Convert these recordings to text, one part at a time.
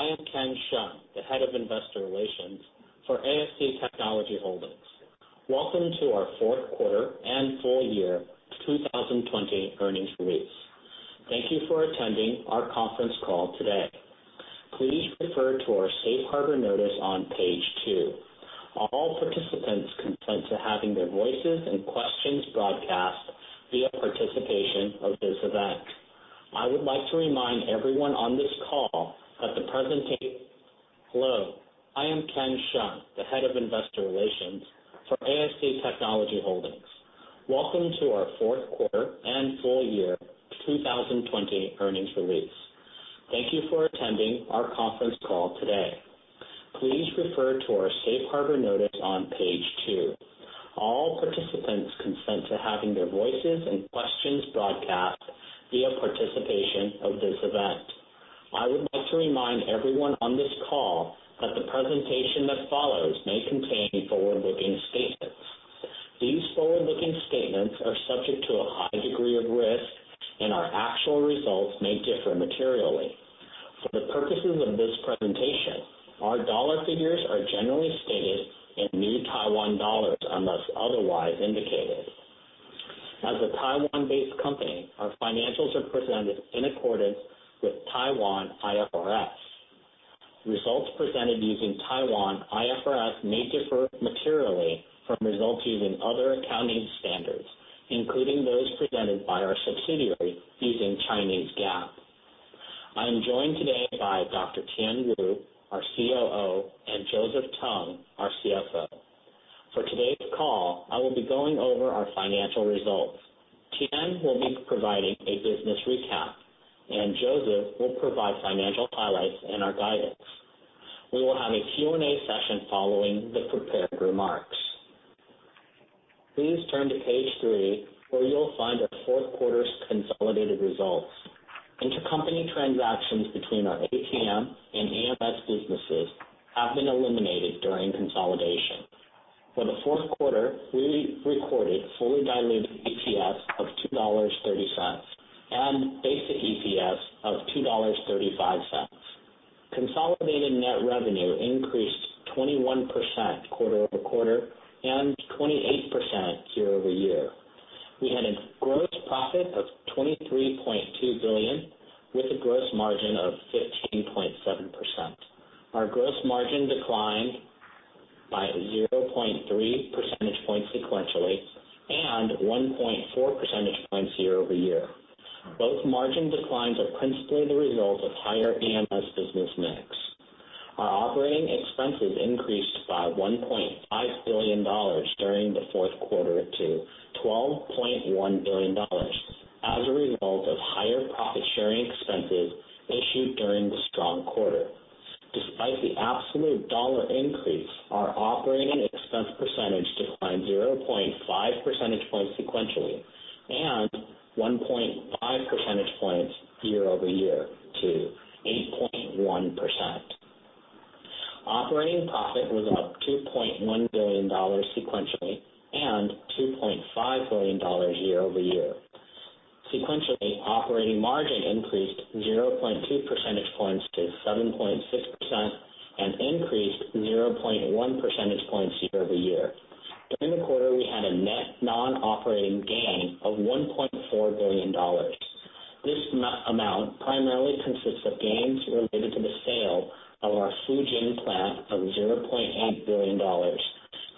Hello, I am Ken Hsiang, the Head of Investor Relations for ASE Technology Holdings. Welcome to our fourth quarter and full year 2020 earnings release. Thank you for attending our conference call today. Please refer to our safe harbor notice on page 2. All participants consent to having their voices and questions broadcast via participation of this event. I would like to remind everyone on this call that the presentation I would like to remind everyone on this call that the presentation that follows may contain forward-looking statements. These forward-looking statements are subject to a high degree of risk, and our actual results may differ materially. For the purposes of this presentation, our dollar figures are generally stated in New Taiwan dollars, unless otherwise indicated. As a Taiwan-based company our financials are presented in accordance with Taiwan IFRS. Results presented using Taiwan IFRS may differ materially from results using other accounting standards, including those presented by our subsidiary using Chinese GAAP. I am joined today by Dr. Tien Wu, our COO, and Joseph Tung, our CFO. For today's call, I will be going over our financial results. Tien will be providing a business recap, and Joseph will provide financial highlights and our guidance. We will have a Q&A session following the prepared remarks. Please turn to page 3, where you'll find the fourth quarter's consolidated results. Intercompany transactions between our ATM and EMS businesses have been eliminated during consolidation. For the fourth quarter, we recorded fully diluted EPS of 2.30 dollars, and basic EPS of 2.35 dollars. Consolidated net revenue increased 21% quarter-over-quarter and 28% year-over-year. We had a gross profit of $23.2 billion, with a gross margin of 15.7%. Our gross margin declined by 0.3 percentage points sequentially and 1.4 percentage points year-over-year. Both margin declines are principally the result of higher EMS business mix. Our operating expenses increased by 1.5 billion dollars during the fourth quarter to 12.1 billion dollars, as a result of higher profit sharing expenses issued during the strong quarter. Despite the absolute dollar increase, our operating expense percentage declined 0.5 percentage points sequentially and 1.5 percentage points year-over-year to 8.1%. Operating profit was up 2.1 billion dollars sequentially and 2.5 billion dollars year-over-year. Sequentially, operating margin increased 0.2 percentage points to 7.6% and increased 0.1 percentage points year-over-year. During the quarter, we had a net non-operating gain of 1.4 billion dollars. This amount primarily consists of gains related to the sale of our Fujian plant of 0.8 billion dollars,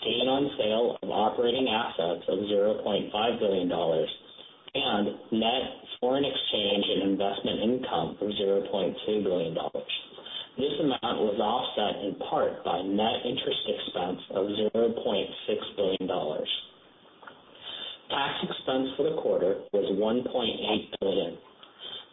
gain on sale of operating assets of $0.5 billion, and net foreign exchange and investment income of 0.2 billion dollars. This amount was offset in part by net interest expense of $0.6 billion. Tax expense for the quarter was 1.8 billion.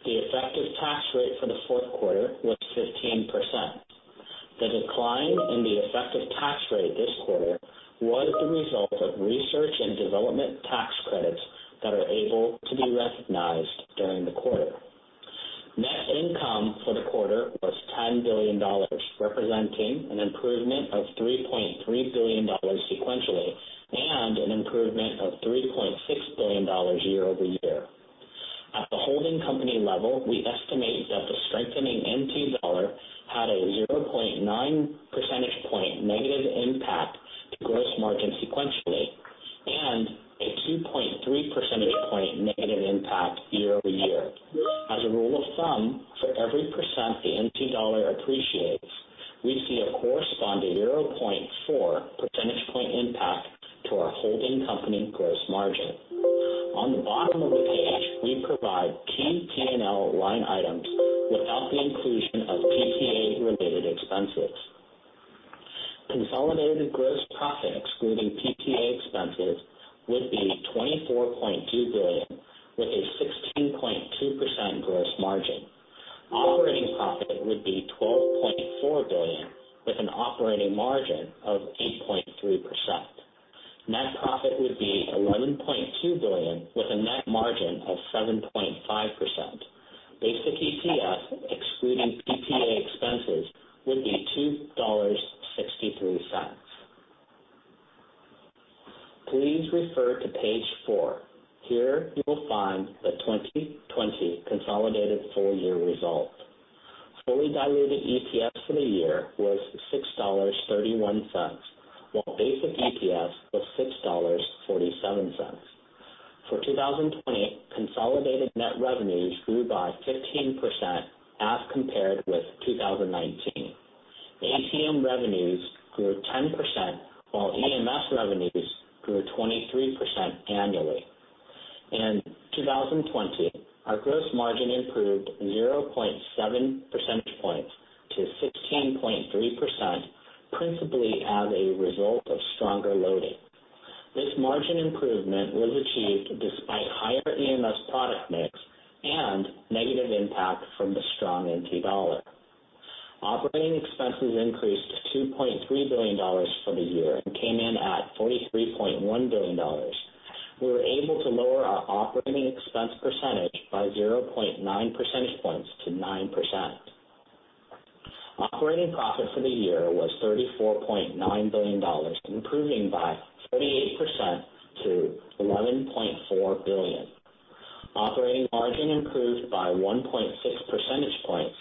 The effective tax rate for the fourth quarter was 15%. The decline in the effective tax rate this quarter was the result of research and development tax credits that are able to be recognized during the quarter. Net income for the quarter was $10 billion, representing an improvement of 3.3 billion dollars sequentially and an improvement of 3.6 billion dollars year-over-year. At the holding company level, we estimate that the strengthening NT dollar had a 0.9 percentage point negative impact to gross margin sequentially, and a 2.3 percentage point negative impact year-over-year. As a rule of thumb, for every percent the NT dollar appreciates, we see a corresponding 0.4 percentage point impact to our holding company gross margin. On the bottom of the page, we provide key P&L line items without the inclusion of PPA-related expenses. Consolidated gross profit, excluding PPA expenses, would be 24.2 billion, with a 16.2% gross margin. Operating profit would be 12.4 billion, with an operating margin of 8.3%. Net profit would be TWD 11.2 billion, with a net margin of 7.5%. Basic EPS, excluding PPA expenses, would be TWD 2.63. Please refer to page 4. Here you will find the 2020 consolidated full year results. Fully diluted EPS for the year was 6.31 dollars, while basic EPS was 6.47 dollars. For 2020, consolidated net revenues grew by 15% as compared with 2019. The ATM revenues grew 10%, while EMS revenues grew 23% annually. In 2020, our gross margin improved 0.7 percentage points to 16.3%, principally as a result of stronger loading. This margin improvement was achieved despite higher EMS product mix and negative impact from the strong NT dollar. Operating expenses increased to 2.3 billion dollars for the year and came in at 43.1 billion dollars. We were able to lower our operating expense percentage by 0.9 percentage points to 9%. Operating profit for the year was 34.9 billion dollars, improving by 48% to 11.4 billion. Operating margin improved by 1.6 percentage points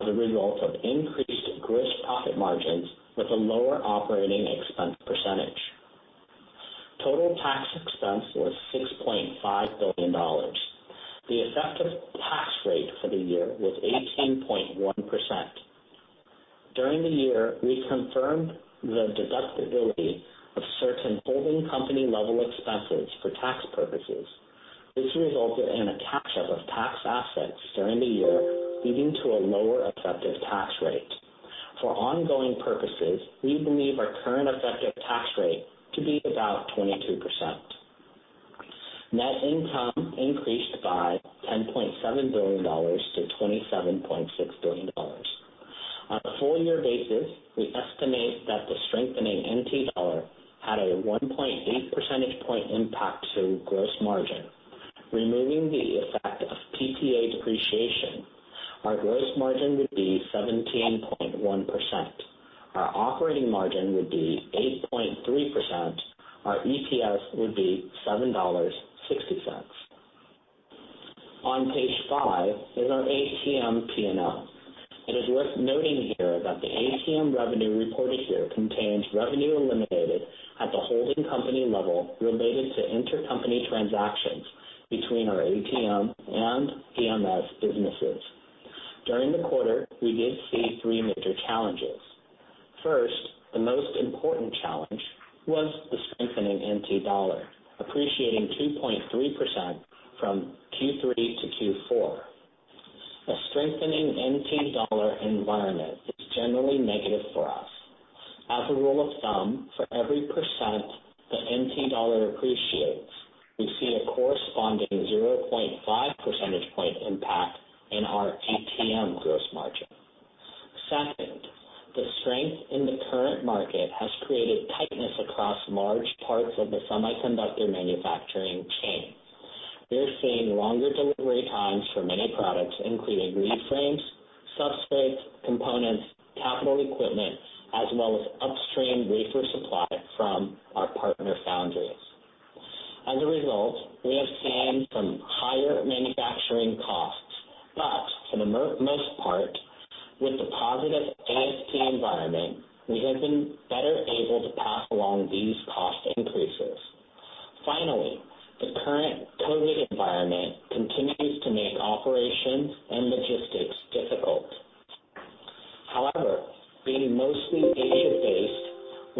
as a result of increased gross profit margins with a lower operating expense percentage. Total tax expense was 6.5 billion dollars. The effective tax rate for the year was 18.1%. During the year, we confirmed the deductibility of certain holding company level expenses for tax purposes. This resulted in a catch up of tax assets during the year, leading to a lower effective tax rate. For ongoing purposes, we believe our current effective tax rate to be about 22%. Net income increased by 10.7 billion dollars to 27.6 billion dollars. On a full year basis, we estimate that the strengthening NT dollar had a 1.8 percentage point impact to gross margin. Removing the effect of PPA depreciation, our gross margin would be 17.1%. Our operating margin would be 8.3%. Our EPS would be TWD 7.60. On page 5 is our ATM P&L. It is worth noting here that the ATM revenue reported here contains revenue eliminated at the holding company level related to intercompany transactions between our ATM and EMS businesses. During the quarter, we did see three major challenges. First, the most important challenge was the strengthening NT dollar, appreciating 2.3% from Q3 to Q4. A strengthening NT dollar environment is generally negative for us. As a rule of thumb, for every percent the NT dollar appreciates, we see a corresponding 0.5 percentage point impact in our ATM gross margin. Second, the strength in the current market has created tightness across large parts of the semiconductor manufacturing chain. We are seeing longer delivery times for many products, including lead frames, substrates, components, capital equipment, as well as upstream wafer supply from our partner foundries. As a result, we have seen some higher manufacturing costs, but for the most part, with the positive ASP environment, we have been better able to pass along these cost increases. Finally, the current COVID environment continues to make operations and logistics difficult. However, being mostly Asia-based,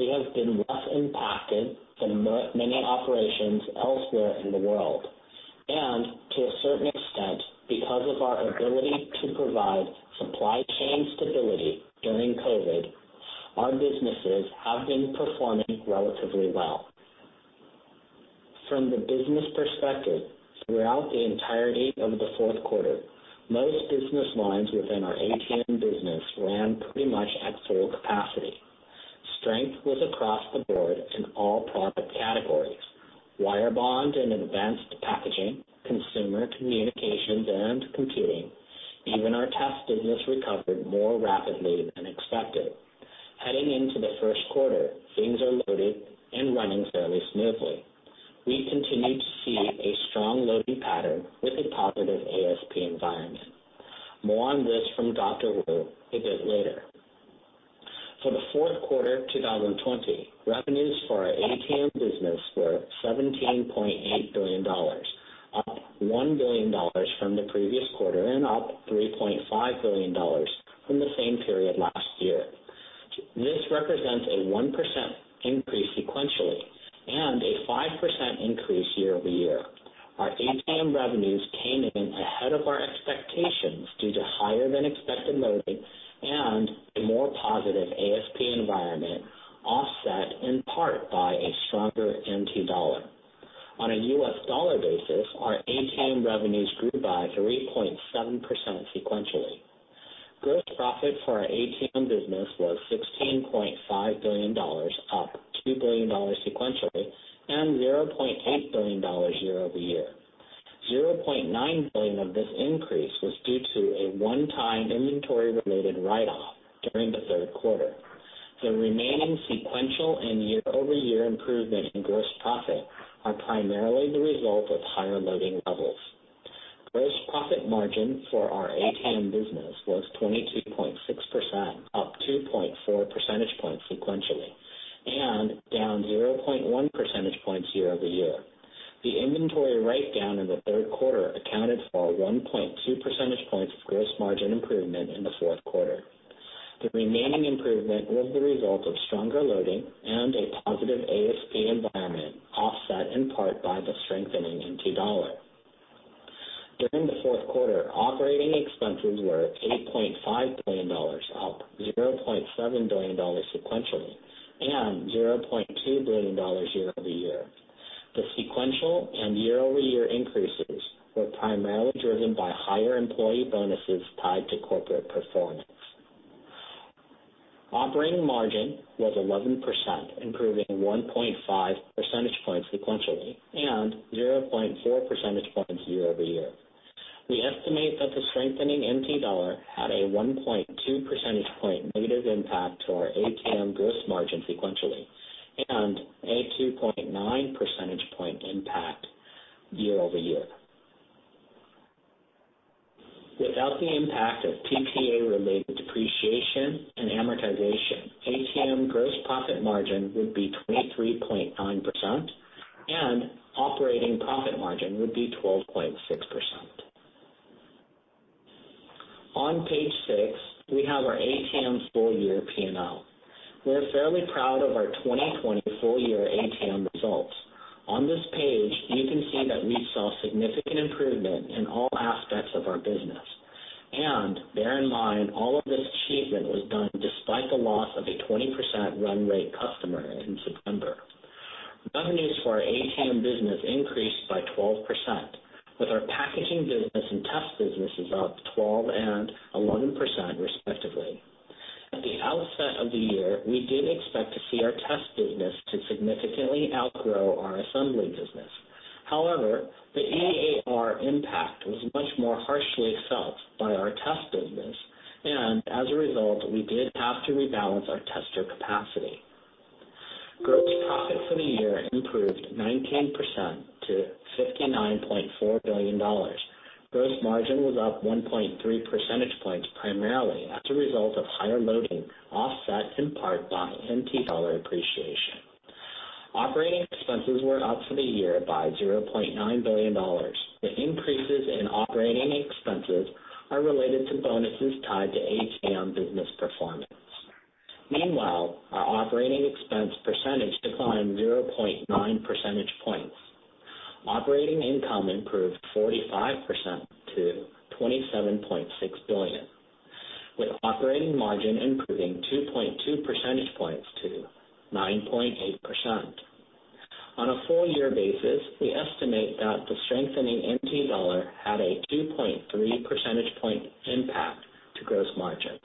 we have been less impacted than many operations elsewhere in the world, and to a certain extent, because of our ability to provide supply chain stability during COVID, our businesses have been performing relatively well. From the business perspective, throughout the entirety of the fourth quarter, most business lines within our ATM business ran pretty much at full capacity. Strength was across the board in all product categories: wire bond and advanced packaging, consumer communications, and computing. Even our test business recovered more rapidly than expected. Heading into the first quarter, things are loaded and running fairly smoothly. We continue to see a strong loading pattern with a positive ASP environment. More on this from Dr. Wu a bit later. For the fourth quarter 2020, revenues for our ATM business were 17.8 billion dollars, up 1 billion dollars from the previous quarter and up 3.5 billion dollars from the same period last year. This represents a 1% increase sequentially and a 5% increase year-over-year. Our ATM revenues came in ahead of our expectations due to higher than expected loading and a more positive ASP environment, offset in part by a stronger NT dollar. On a US dollar basis, our ATM revenues grew by 3.7% sequentially. Gross profit for our ATM business was 16.5 billion dollars, up 2 billion dollars sequentially, and 0.8 billion dollars year-over-year. 0.9 billion of this increase was due to a one-time inventory-related write-off during the third quarter. The remaining sequential and year-over-year improvement in gross profit are primarily the result of higher loading levels. Gross profit margin for our ATM business was 22.6%, up 2.4 percentage points sequentially, and down 0.1 percentage points year-over-year. The inventory write-down in the third quarter accounted for 1.2 percentage points of gross margin improvement in the fourth quarter. The remaining improvement was the result of stronger loading and a positive ASP environment, offset in part by the strengthening NT dollar. During the fourth quarter, operating expenses were 8.5 billion dollars, up 0.7 billion dollars sequentially, and 0.2 billion dollars year-over-year. The sequential and year-over-year increases were primarily driven by higher employee bonuses tied to corporate performance. Operating margin was 11%, improving 1.5 percentage points sequentially and 0.4 percentage points year-over-year. We estimate that the strengthening NT dollar had a 1.2 percentage point negative impact to our ATM gross margin sequentially, and a 2.9 percentage point impact year-over-year. Without the impact of PPA-related depreciation and amortization, ATM gross profit margin would be 23.9%, and operating profit margin would be 12.6%. On page 6, we have our ATM full year P&L. We're fairly proud of our 2020 full year ATM results. On this page, you can see that we saw significant improvement in all aspects of our business. Bear in mind, all of this achievement was done despite the loss of a 20% run rate customer in September. Revenues for our ATM business increased by 12%, with our packaging business and test businesses up 12% and 11%, respectively. At the outset of the year, we did expect to see our test business to significantly outgrow our assembly business. However, the EAR impact was much more harshly felt by our test business, and as a result, we did have to rebalance our tester capacity. Gross profit for the year improved 19% to 59.4 billion dollars. Gross margin was up 1.3 percentage points, primarily as a result of higher loading, offset in part by NT dollar appreciation. Operating expenses were up for the year by 0.9 billion dollars. The increases in operating expenses are related to bonuses tied to ATM business performance. Meanwhile, our operating expense percentage declined 0.9 percentage points. Operating income improved 45% to 27.6 billion, with operating margin improving 2.2 percentage points to 9.8%. On a full year basis, we estimate that the strengthening NT dollar had a 2.3 percentage point impact to gross margins.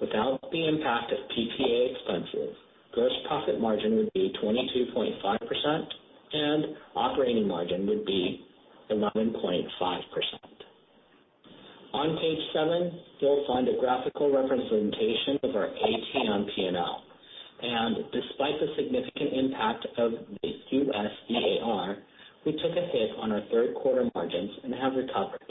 Without the impact of PPA expenses, gross profit margin would be 22.5%, and operating margin would be 11.5%. On page seven, you'll find a graphical representation of our ATM P&L, and despite the significant impact of the U.S. EAR, we took a hit on our third quarter margins and have recovered.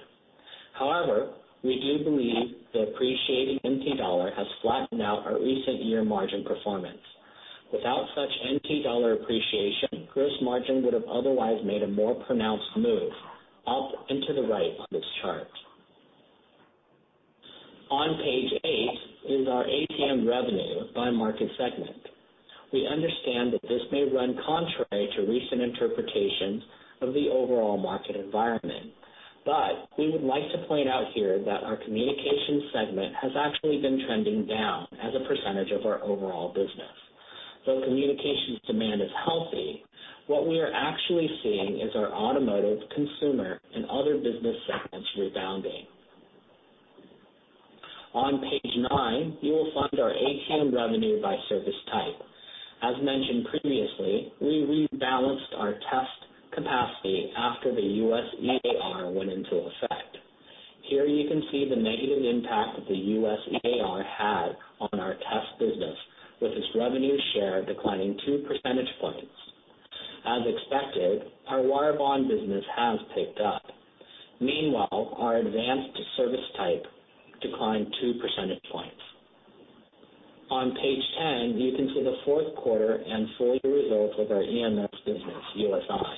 However, we do believe the appreciating NT dollar has flattened out our recent year margin performance. Without such NT dollar appreciation, gross margin would have otherwise made a more pronounced move up and to the right of this chart. On page eight is our ATM revenue by market segment. We understand that this may run contrary to recent interpretations of the overall market environment, but we would like to point out here that our communication segment has actually been trending down as a percentage of our overall business. Though communications demand is healthy, what we are actually seeing is our automotive, consumer, and other business segments rebounding. On page nine, you will find our ATM revenue by service type. As mentioned previously, we rebalanced our test capacity after the U.S. EAR went into effect. Here you can see the negative impact that the U.S. EAR had on our test business, with its revenue share declining two percentage points. As expected, our wire bond business has picked up. Meanwhile, our advanced service type declined two percentage points. On page 10, you can see the fourth quarter and full year results of our EMS business, USI.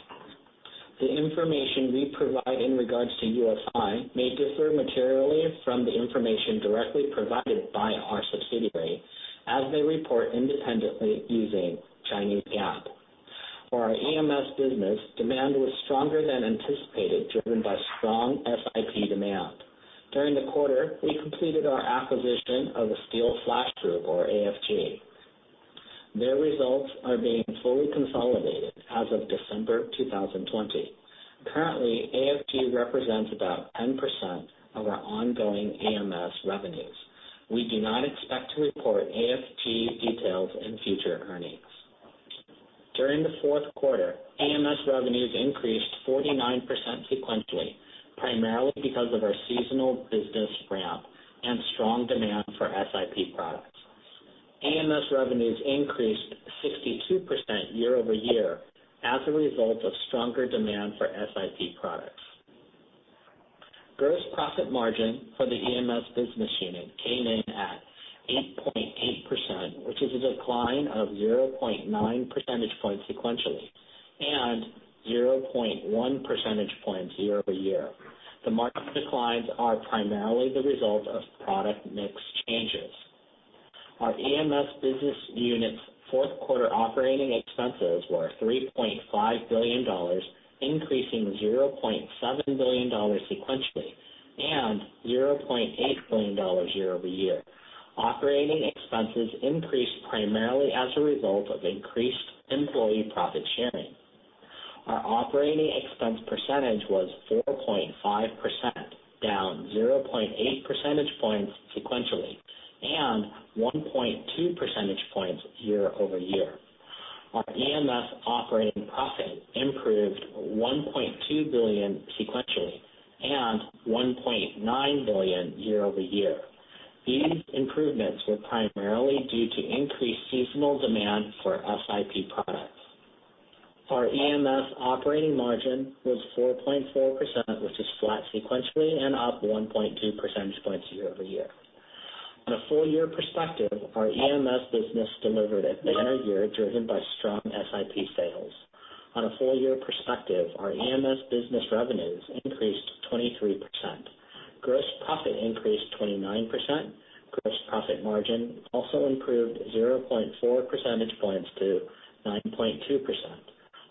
The information we provide in regards to USI may differ materially from the information directly provided by our subsidiary, as they report independently using Chinese GAAP. For our EMS business, demand was stronger than anticipated, driven by strong SiP demand. During the quarter, we completed our acquisition of the Asteelflash Group, or AFG. Their results are being fully consolidated as of December 2020. Currently, AFG represents about 10% of our ongoing EMS revenues. We do not expect to report AFG details in future earnings. During the fourth quarter, EMS revenues increased 49% sequentially, primarily because of our seasonal business ramp and strong demand for SiP products. EMS revenues increased 62% year-over-year as a result of stronger demand for SiP products. Gross profit margin for the EMS business unit came in at 8.8%, which is a decline of 0.9 percentage points sequentially, and 0.1 percentage points year-over-year. The market declines are primarily the result of product mix changes. Our EMS business unit's fourth quarter operating expenses were 3.5 billion dollars, increasing 0.7 billion dollars sequentially, and 0.8 billion dollars year-over-year. Operating expenses increased primarily as a result of increased employee profit sharing. Our operating expense percentage was 4.5%, down 0.8 percentage points sequentially, and 1.2 percentage points year-over-year. Our EMS operating profit improved 1.2 billion sequentially and 1.9 billion year-over-year. These improvements were primarily due to increased seasonal demand for SiP products. Our EMS operating margin was 4.4%, which is flat sequentially and up 1.2 percentage points year-over-year. On a full year perspective, our EMS business delivered a better year, driven by strong SiP sales. On a full year perspective, our EMS business revenues increased 23%. Gross profit increased 29%. Gross profit margin also improved 0.4 percentage points to 9.2%.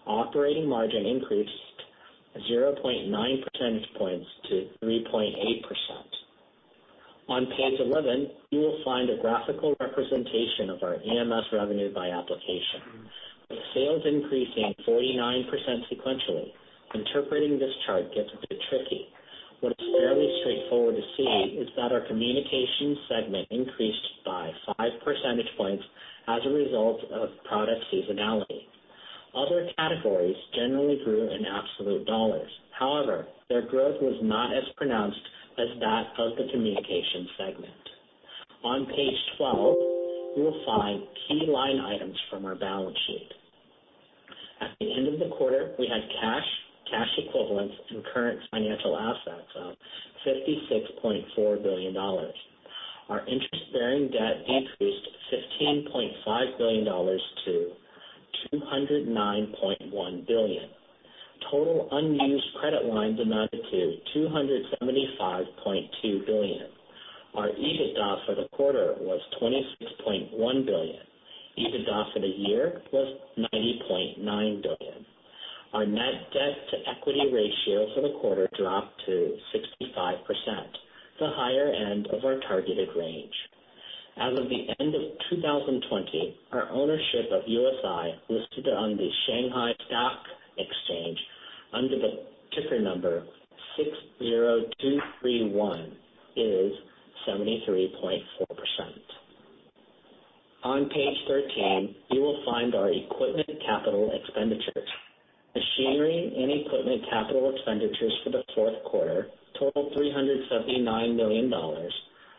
Operating margin increased 0.9 percentage points to 3.8%. On page 11, you will find a graphical representation of our EMS revenue by application. With sales increasing 49% sequentially, interpreting this chart gets a bit tricky. What is fairly straightforward to see is that our communication segment increased by 5 percentage points as a result of product seasonality. Other categories generally grew in absolute dollars. However, their growth was not as pronounced as that of the communication segment. On page 12, you will find key line items from our balance sheet. At the end of the quarter, we had cash, cash equivalents, and current financial assets of 56.4 billion dollars. Our interest-bearing debt decreased 15.5 billion dollars to 209.1 billion. Total unused credit lines amounted to 275.2 billion. Our EBITDA for the quarter was 26.1 billion. EBITDA for the year was 90.9 billion. Our net debt-to-equity ratio for the quarter dropped to 65%, the higher end of our targeted range. As of the end of 2020, our ownership of USI, listed on the Shanghai Stock Exchange under the ticker number 60231, is 73.4%. On page 13, you will find our equipment capital expenditures. Machinery and equipment capital expenditures for the fourth quarter totaled 379 million dollars,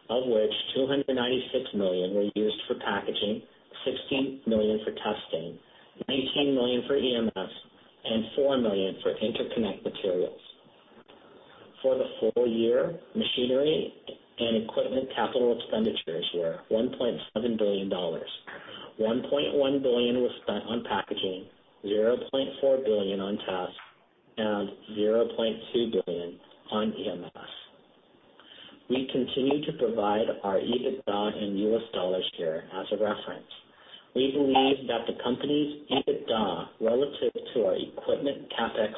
of which 296 million were used for packaging, 16 million for testing, 19 million for EMS, and 4 million for interconnect materials. For the full year, machinery and equipment capital expenditures were 1.7 billion dollars. 1.1 billion was spent on packaging, 0.4 billion on test, and 0.2 billion on EMS. We continue to provide our EBITDA in US dollars here as a reference. We believe that the company's EBITDA relative to our equipment CapEx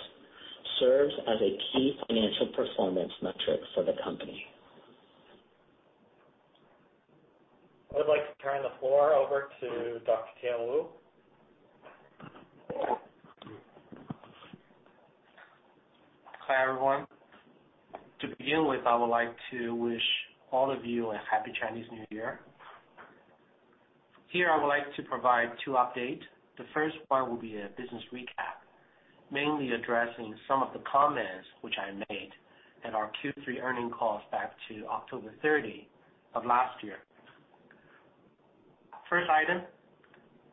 serves as a key financial performance metric for the company. I would like to turn the floor over to Dr. Tien Wu. Hi, everyone. To begin with, I would like to wish all of you a happy Chinese New Year. Here, I would like to provide two updates. The first part will be a business recap, mainly addressing some of the comments which I made in our Q3 earnings call back to October 30 of last year. First item,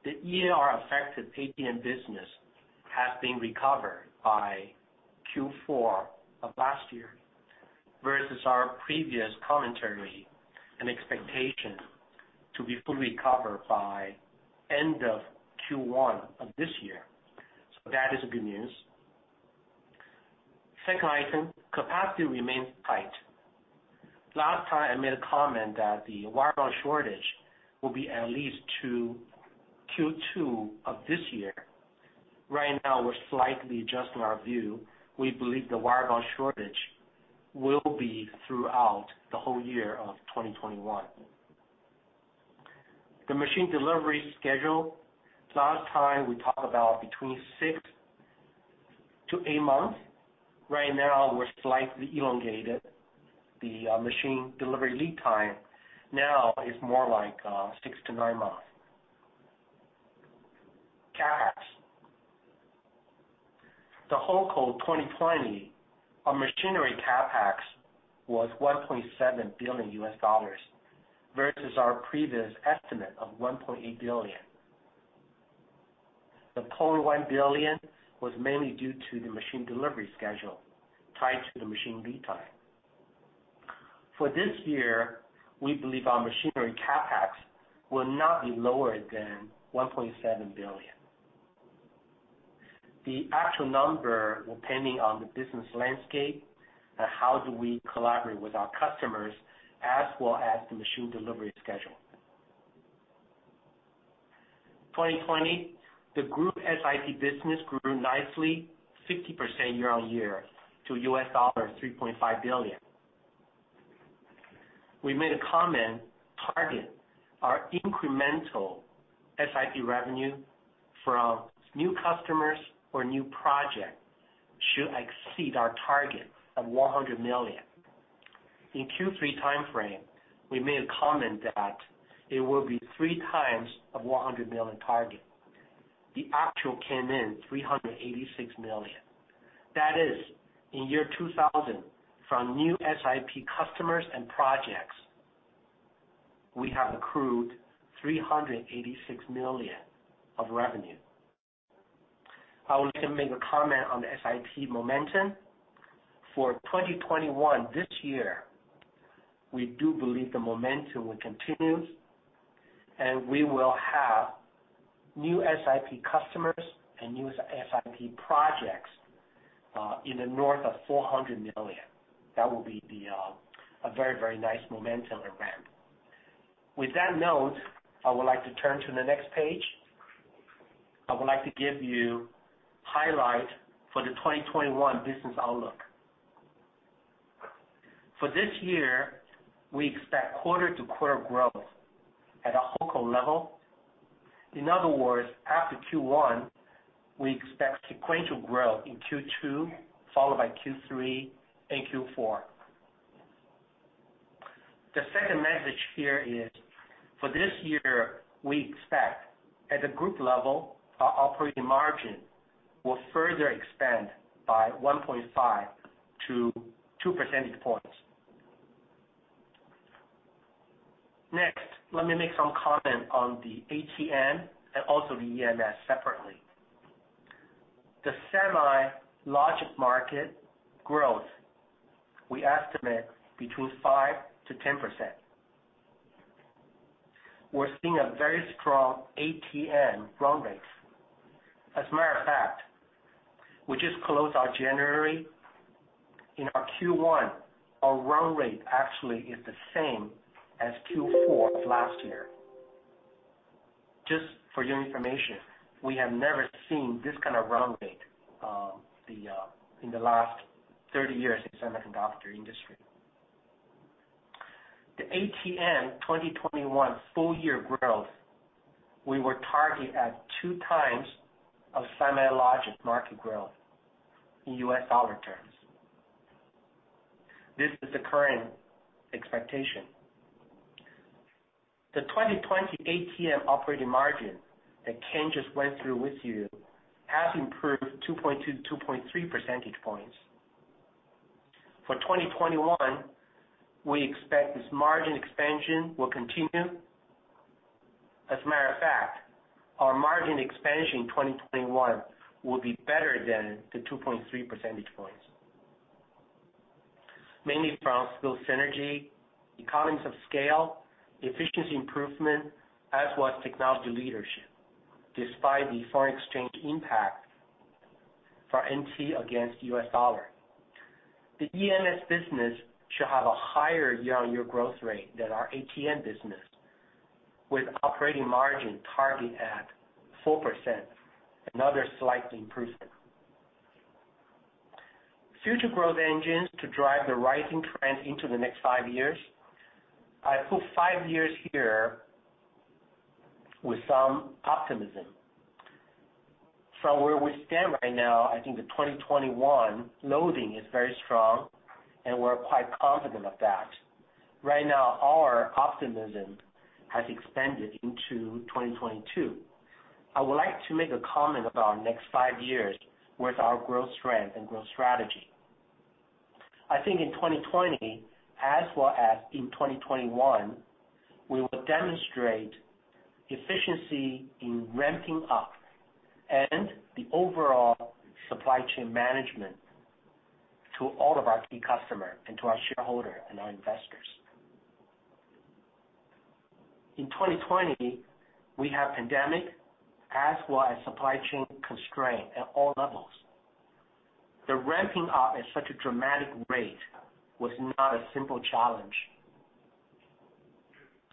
the EAR-affected ATM business has been recovered by Q4 of last year, versus our previous commentary and expectation to be fully recovered by end of Q1 of this year. So that is good news. Second item, capacity remains tight. Last time, I made a comment that the wire bond shortage will be at least to Q2 of this year. Right now, we're slightly adjusting our view. We believe the wire bond shortage will be throughout the whole year of 2021. The machine delivery schedule, last time we talked about between six to eight months. Right now, we're slightly elongated. The machine delivery lead time now is more like six to nine months. CapEx. The HoldCo 2020, our machinery CapEx was $1.7 billion, versus our previous estimate of $1.8 billion. The $0.1 billion was mainly due to the machine delivery schedule tied to the machine lead time. For this year, we believe our machinery CapEx will not be lower than $1.7 billion. The actual number will depending on the business landscape and how do we collaborate with our customers, as well as the machine delivery schedule. 2020, the group SiP business grew nicely, 50% year-on-year, to $3.5 billion. We made a comment, target, our incremental SiP revenue from new customers or new projects should exceed our target of $100 million. In Q3 timeframe, we made a comment that it will be 3 times of $100 million target. The actual came in $386 million. That is, in year 2020, from new SiP customers and projects, we have accrued $386 million of revenue. I would like to make a comment on the SiP momentum. For 2021, this year, we do believe the momentum will continue, and we will have new SiP customers and new SiP projects in the north of $400 million. That will be a very, very nice momentum and ramp. With that note, I would like to turn to the next page. I would like to give you highlight for the 2021 business outlook. For this year, we expect quarter-to-quarter growth at a whole core level. In other words, after Q1, we expect sequential growth in Q2, followed by Q3 and Q4. The second message here is, for this year, we expect, at a group level, our operating margin will further expand by 1.5-2 percentage points. Next, let me make some comment on the ATM and also the EMS separately. The semi logic market growth, we estimate between 5%-10%. We're seeing a very strong ATM run rates. As a matter of fact, we just closed our January. In our Q1, our run rate actually is the same as Q4 of last year. Just for your information, we have never seen this kind of run rate in the last 30 years in semiconductor industry. The ATM 2021 full year growth, we were targeted at 2 times of semi logic market growth in U.S. dollar terms. This is the current expectation. The 2020 ATM operating margin that Ken just went through with you has improved 2.2-2.3 percentage points. For 2021, we expect this margin expansion will continue. As a matter of fact, our margin expansion in 2021 will be better than the 2.3 percentage points, mainly from SPIL synergy, economies of scale, efficiency improvement, as well as technology leadership, despite the foreign exchange impact for NT against U.S. dollar. The EMS business should have a higher year-on-year growth rate than our ATM business, with operating margin targeted at 4%, another slight improvement. Future growth engines to drive the rising trend into the next five years. I put five years here with some optimism. From where we stand right now, I think the 2021 loading is very strong, and we're quite confident of that. Right now, our optimism has expanded into 2022. I would like to make a comment about our next five years with our growth strength and growth strategy. I think in 2020, as well as in 2021, we will demonstrate efficiency in ramping up and the overall supply chain management to all of our key customer and to our shareholder and our investors. In 2020, we have pandemic, as well as supply chain constraint at all levels. The ramping up at such a dramatic rate was not a simple challenge.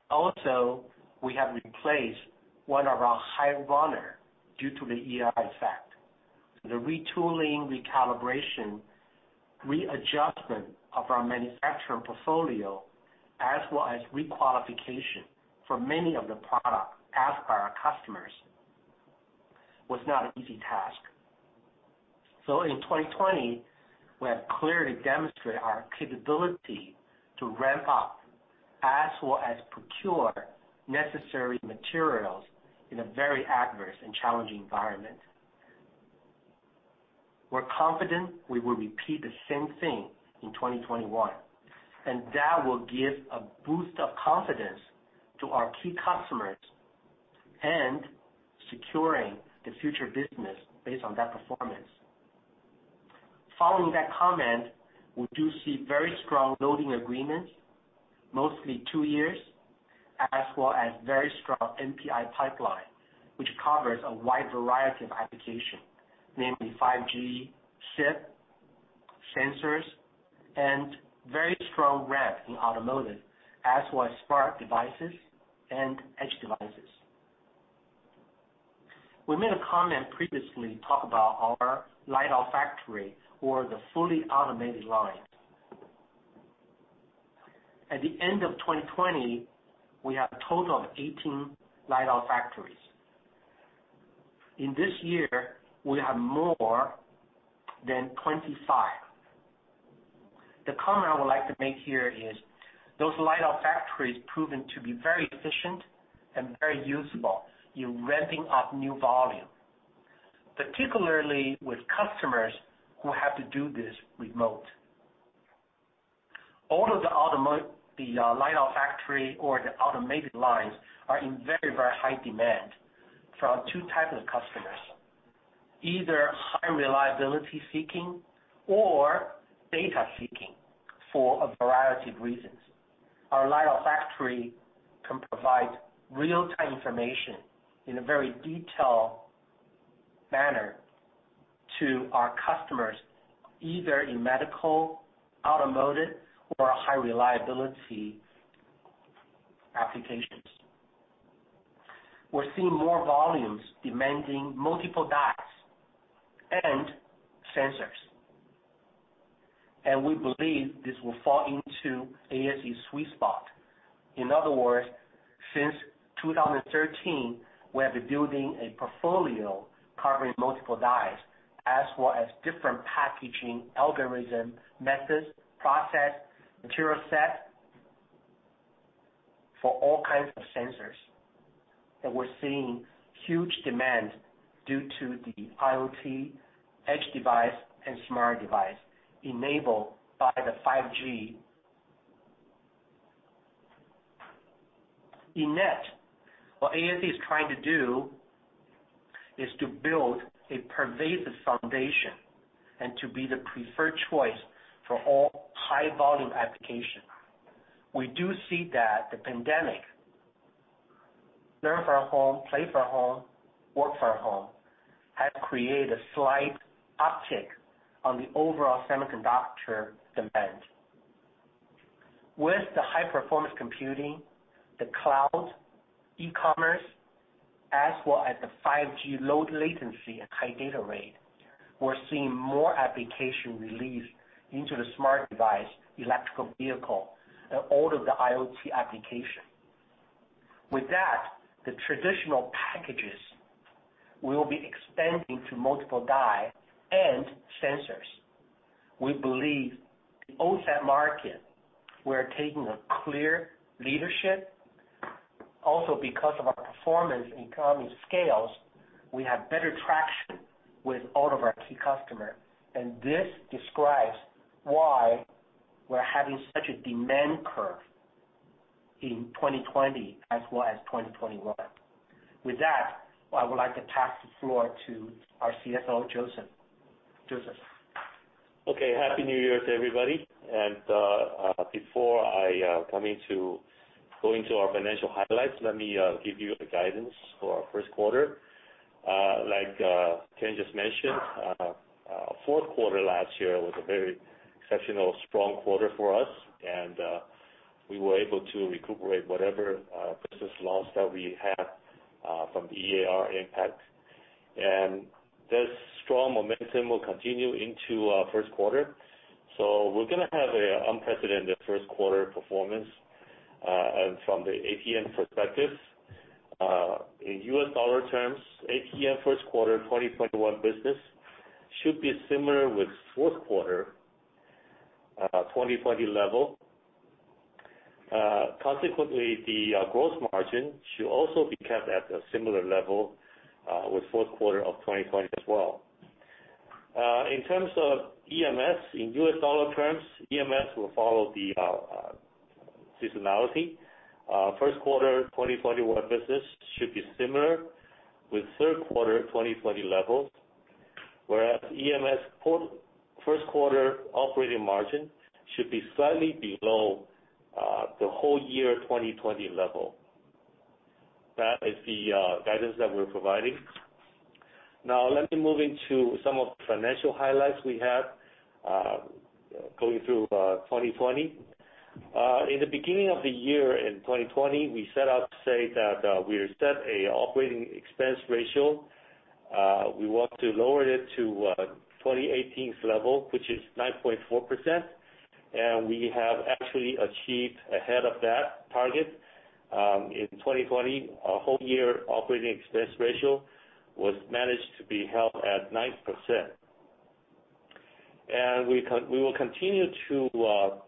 Also, we have replaced one of our high runner due to the EAR effect. The retooling, recalibration, readjustment of our manufacturing portfolio, as well as re-qualification for many of the products asked by our customers, was not an easy task. So in 2020, we have clearly demonstrated our capability to ramp up as well as procure necessary materials in a very adverse and challenging environment. We're confident we will repeat the same thing in 2021, and that will give a boost of confidence to our key customers and securing the future business based on that performance. Following that comment, we do see very strong loading agreements, mostly 2 years, as well as very strong NPI pipeline, which covers a wide variety of applications, namely 5G SiP, sensors, and very strong ramp in automotive, as well as smart devices and Edge devices. We made a comment previously, talk about our LiDAR factory or the fully automated line. At the end of 2020, we have a total of 18 LiDAR factories. In this year, we have more than 25. The comment I would like to make here is, those LiDAR factories proven to be very efficient and very usable in ramping up new volume, particularly with customers who have to do this remote. All of the light-off factory or the automated lines are in very, very high demand from two types of customers, either high reliability seeking or data seeking for a variety of reasons. Our LiDAR factory can provide real-time information in a very detailed manner to our customers, either in medical, automotive, or high reliability applications. We're seeing more volumes demanding multiple dies and sensors, and we believe this will fall into ASE's sweet spot. In other words, since 2013, we have been building a portfolio covering multiple dies as well as different packaging algorithm, methods, process, material set for all kinds of sensors. And we're seeing huge demand due to the IoT Edge device and smart device enabled by the 5G. In net, what ASE is trying to do is to build a pervasive foundation and to be the preferred choice for all high-volume applications. We do see that the pandemic, learn from home, play from home, work from home, has created a slight uptick on the overall semiconductor demand. With the high-performance computing, the cloud, e-commerce, as well as the 5G low latency and high data rate, we're seeing more application released into the smart device, electric vehicle, and all of the IoT application. With that, the traditional packages will be expanding to multiple die and sensors. We believe the OSAT market, we're taking a clear leadership. Also, because of our performance in economies of scales, we have better traction with all of our key customer, and this describes why we're having such a demand curve in 2020 as well as 2021. With that, I would like to pass the floor to our CFO, Joseph. Joseph? Okay. Happy New Year to everybody. Before I go into our financial highlights, let me give you the guidance for our first quarter. Like, Ken just mentioned, fourth quarter last year was a very exceptional strong quarter for us, and we were able to recuperate whatever business loss that we had from the EAR impact. And this strong momentum will continue into first quarter, so we're going to have a unprecedented first quarter performance. And from the ATM perspective, in US dollar terms, ATM first quarter 2021 business should be similar with fourth quarter 2020 level. Consequently, the gross margin should also be kept at a similar level with fourth quarter of 2020 as well. In terms of EMS, in US dollar terms, EMS will follow the seasonality. First quarter 2021 business should be similar with third quarter 2020 levels, whereas EMS first quarter operating margin should be slightly below the whole year 2020 level. That is the guidance that we're providing. Now, let me move into some of the financial highlights we have going through 2020. In the beginning of the year, in 2020, we set out to say that we would set a operating expense ratio. We want to lower it to 2018's level, which is 9.4%, and we have actually achieved ahead of that target. In 2020, our whole year operating expense ratio was managed to be held at 9%. And we will continue to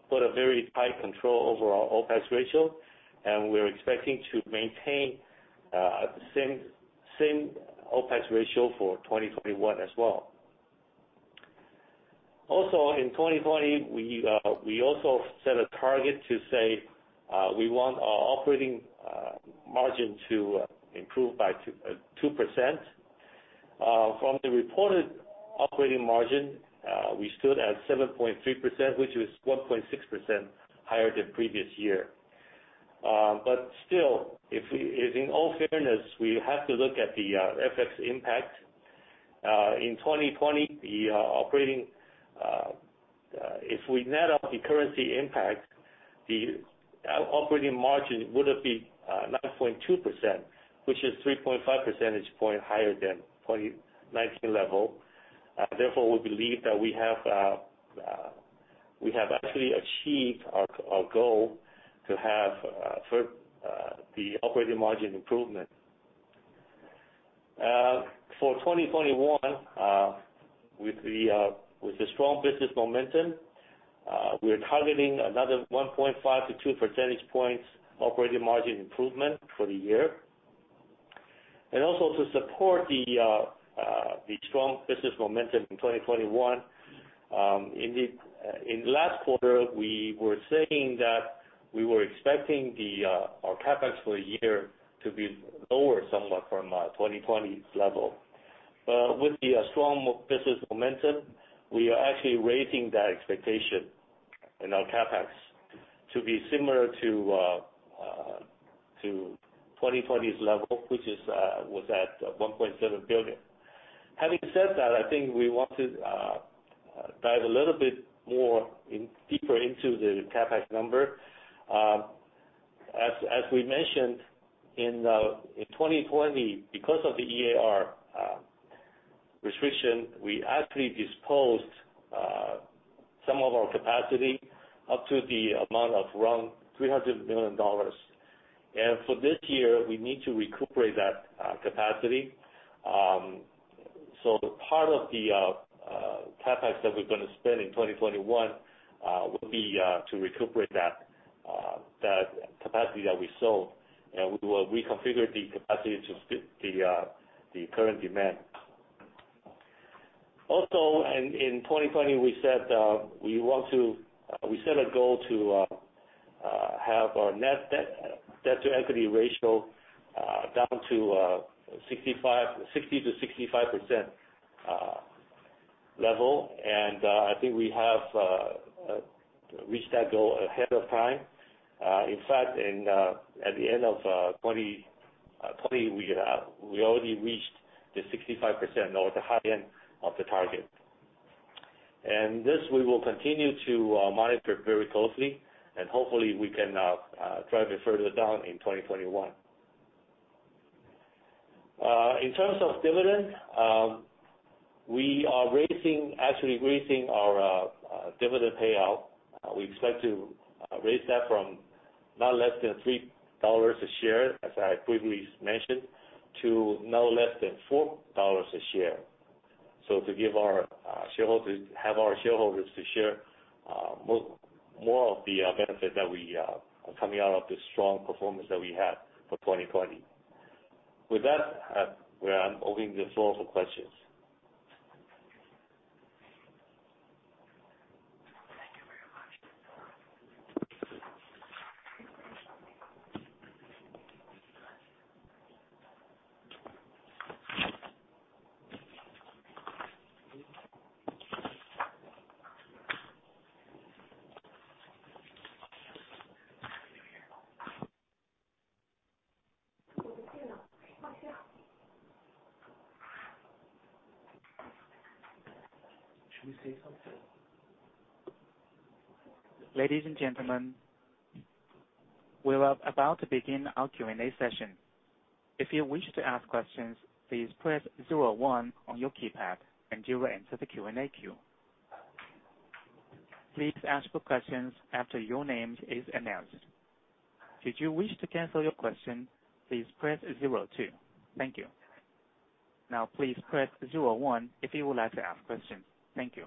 put a very tight control over our OpEx ratio, and we are expecting to maintain the same, same OpEx ratio for 2021 as well. Also, in 2020, we also set a target to say we want our operating margin to improve by 2%. From the reported operating margin we stood at 7.3%, which is 1.6% higher than previous year. But still, if in all fairness, we have to look at the FX impact. In 2020, the operating if we net out the currency impact, the operating margin would have been 9.2%, which is 3.5 percentage point higher than 2019 level. Therefore, we believe that we have, we have actually achieved our, our goal to have, for, the operating margin improvement. For 2021, with the strong business momentum, we are targeting another 1.5-2 percentage points operating margin improvement for the year. And also, to support the, the strong business momentum in 2021, in last quarter, we were saying that we were expecting the, our CapEx for the year to be lower somewhat from, 2020's level. But with the, strong business momentum, we are actually raising that expectation in our CapEx to be similar to, to 2020's level, which is, was at, $1.7 billion. Having said that, I think we want to dive a little bit more in, deeper into the CapEx number. As we mentioned, in 2020, because of the EAR restriction, we actually disposed some of our capacity up to the amount of around $300 million. And for this year, we need to recuperate that capacity. So part of the CapEx that we're gonna spend in 2021 will be to recuperate that capacity that we sold, and we will reconfigure the capacity to fit the current demand. Also, in 2020, we set a goal to have our net debt-to-equity ratio down to 60%-65% level. I think we have reached that goal ahead of time. In fact, at the end of 2020, we already reached the 65% or the high end of the target. And this, we will continue to monitor very closely, and hopefully we can drive it further down in 2021. In terms of dividend, we are raising, actually raising our dividend payout. We expect to raise that from not less than $3 a share, as I previously mentioned, to no less than $4 a share. So to give our shareholders, have our shareholders to share more of the benefit that we coming out of this strong performance that we had for 2020. With that, I'm opening the floor for questions. Thank you very much. Ladies and gentlemen, we are about to begin our Q&A session. If you wish to ask questions, please press zero one on your keypad, and you will enter the Q&A queue. Please ask your questions after your name is announced. If you wish to cancel your question, please press zero two. Thank you. Now, please press zero one if you would like to ask questions. Thank you.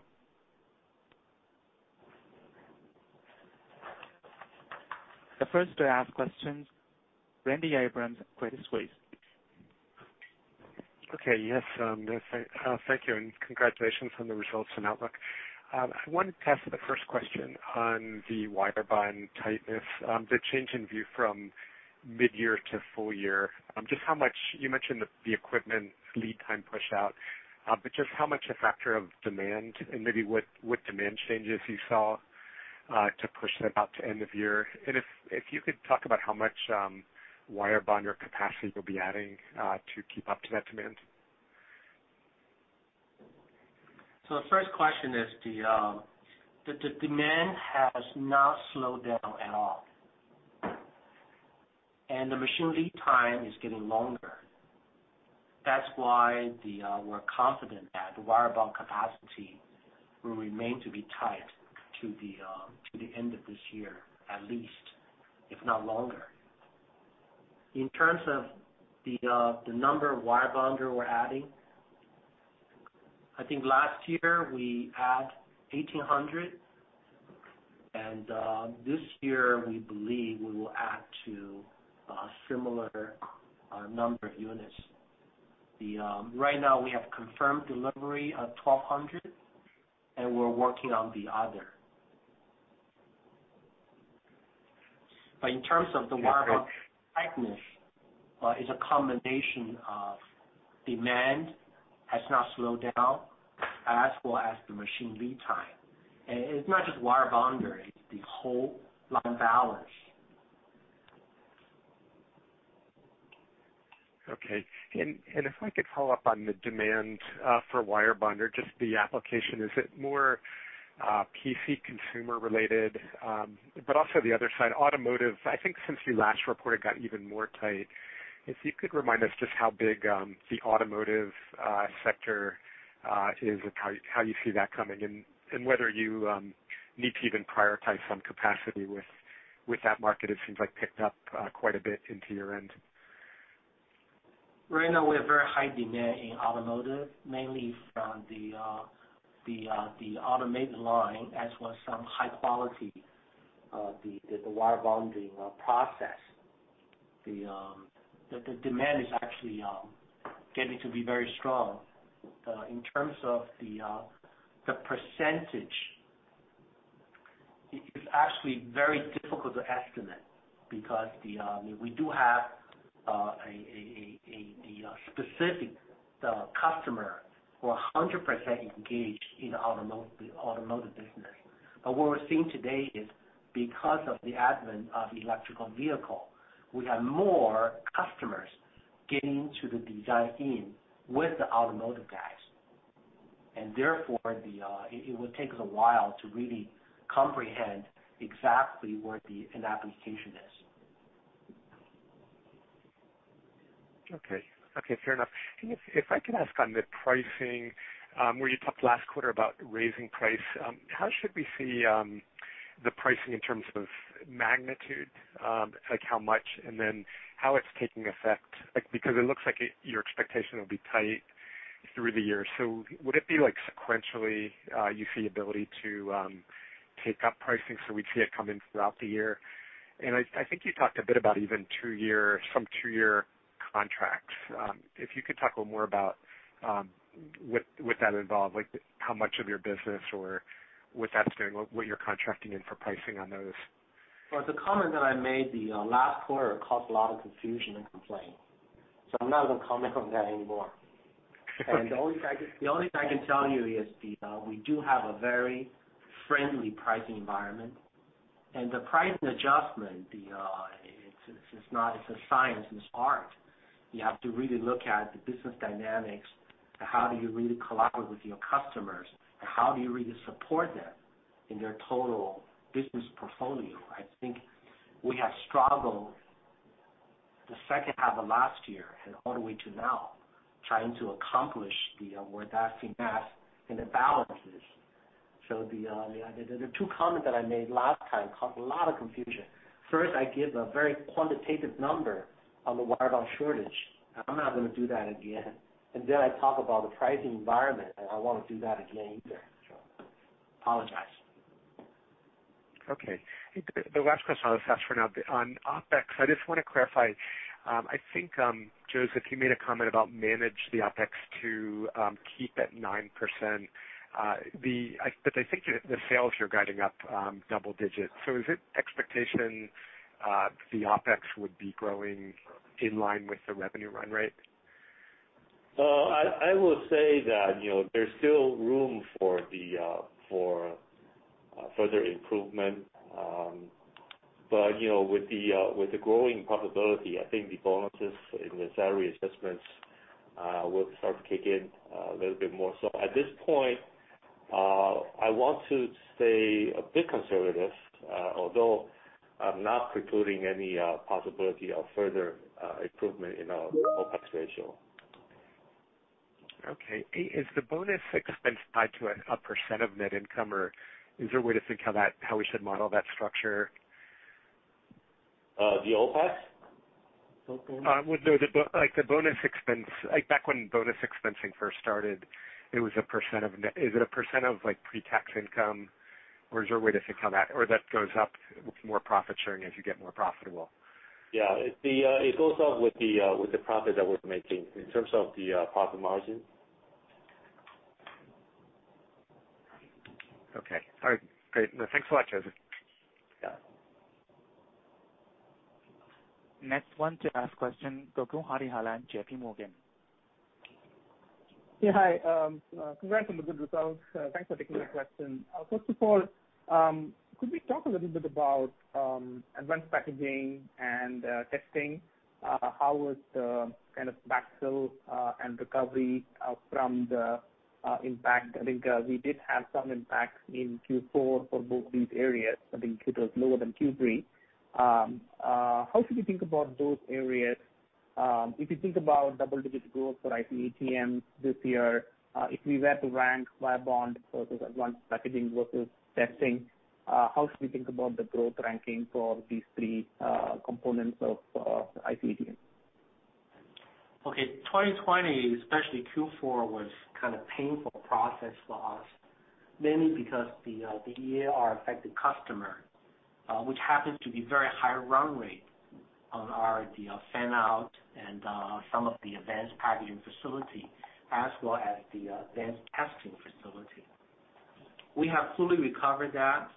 The first to ask questions, Randy Abrams, Credit Suisse. Okay. Yes, thank you, and congratulations on the results and outlook. I wanted to ask the first question on the Wire Bond tightness, the change in view from midyear to full year. Just how much? You mentioned the equipment lead time pushout, but just how much a factor of demand, and maybe what demand changes you saw to push that out to end of year? And if you could talk about how much wire bond or capacity you'll be adding to keep up to that demand? So the first question is the demand has not slowed down at all, and the machine lead time is getting longer. That's why we're confident that the Wire Bond capacity will remain to be tight to the end of this year, at least, if not longer. In terms of the number of wire bonder we're adding, I think last year we add 1,800, and this year we believe we will add to a similar number of units. Right now, we have confirmed delivery of 1,200, and we're working on the other. But in terms of the wire bond tightness, it's a combination of demand has not slowed down, as well as the machine lead time. And it's not just Wire Bond, it's the whole line balance. Okay. And if I could follow up on the demand for wire bonder, just the application, is it more PC consumer related? But also the other side, automotive, I think since you last reported, got even more tight. If you could remind us just how big the automotive sector is and how you see that coming, and whether you need to even prioritize some capacity with that market, it seems like picked up quite a bit into your end. Right now, we have very high demand in automotive, mainly from the automated line, as well as some high quality wire bonding process. The demand is actually getting to be very strong. In terms of the percentage, it is actually very difficult to estimate because we do have specific customer who are 100% engaged in automotive business. But what we're seeing today is, because of the advent of electric vehicle, we have more customers getting to the design team with the automotive guys, and therefore, it will take us a while to really comprehend exactly where the end application is. Okay. Okay, fair enough. And if I can ask on the pricing, where you talked last quarter about raising price, how should we see the pricing in terms of magnitude? Like, how much, and then how it's taking effect? Like, because it looks like your expectation will be tight through the year. So would it be like sequentially, you see ability to take up pricing, so we'd see it coming throughout the year? And I think you talked a bit about even two-year, some two-year contracts. If you could talk a little more about what that involved, like, how much of your business, or what that's doing, what you're contracting in for pricing on those? Well, the comment that I made the last quarter caused a lot of confusion and complaint, so I'm not going to comment on that anymore. The only thing I, the only thing I can tell you is we do have a very friendly pricing environment, and the pricing adjustment, it's not. It's a science, it's art. You have to really look at the business dynamics and how do you really collaborate with your customers, and how do you really support them in their total business portfolio. I think we have struggled the second half of last year and all the way to now, trying to accomplish what I've seen last in the balances. The two comment that I made last time caused a lot of confusion. First, I give a very quantitative number on the Wire Bond shortage, and I'm not going to do that again. And then I talk about the pricing environment, and I won't do that again either. So, apologize. Okay. The last question I was asked for now. On OpEx, I just want to clarify. I think Joseph, you made a comment about manage the OpEx to keep at 9%. But I think the sales you're guiding up double digits. So is it expectation the OpEx would be growing in line with the revenue run rate? I will say that, you know, there's still room for further improvement. But, you know, with the growing profitability, I think the bonuses and the salary adjustments will start to kick in a little bit more. So at this point, I want to stay a bit conservative, although I'm not precluding any possibility of further improvement in our OpEx ratio. Okay. Is the bonus expense tied to a percent of net income, or is there a way to think how we should model that structure? The OpEx? With the like the bonus expense, like, back when bonus expensing first started, it was a percent of net. Is it a percent of, like, pre-tax income, or is there a way to think how that, or that goes up with more profit sharing as you get more profitable? Yeah, it goes up with the profit that we're making in terms of the profit margin. Okay. All right, great. Thanks a lot, Joseph. Yeah. Next one to ask question, Gokul Hariharan, JPMorgan. Yeah, hi. Congrats on the good results. Thanks for taking the question. First of all, could we talk a little bit about advanced packaging and testing? How was the kind of backfill and recovery from the impact? I think we did have some impacts in Q4 for both these areas. I think it was lower than Q3. How should we think about those areas? If you think about double-digit growth for IC ATM this year, if we were to rank Wire Bond versus advanced packaging versus testing, how should we think about the growth ranking for these three components of IC ATM? Okay. 2020, especially Q4, was kind of painful process for us, mainly because the EAR affected customer, which happened to be very high run rate on our the fan-out and some of the advanced packaging facility, as well as the advanced testing facility. We have fully recovered that.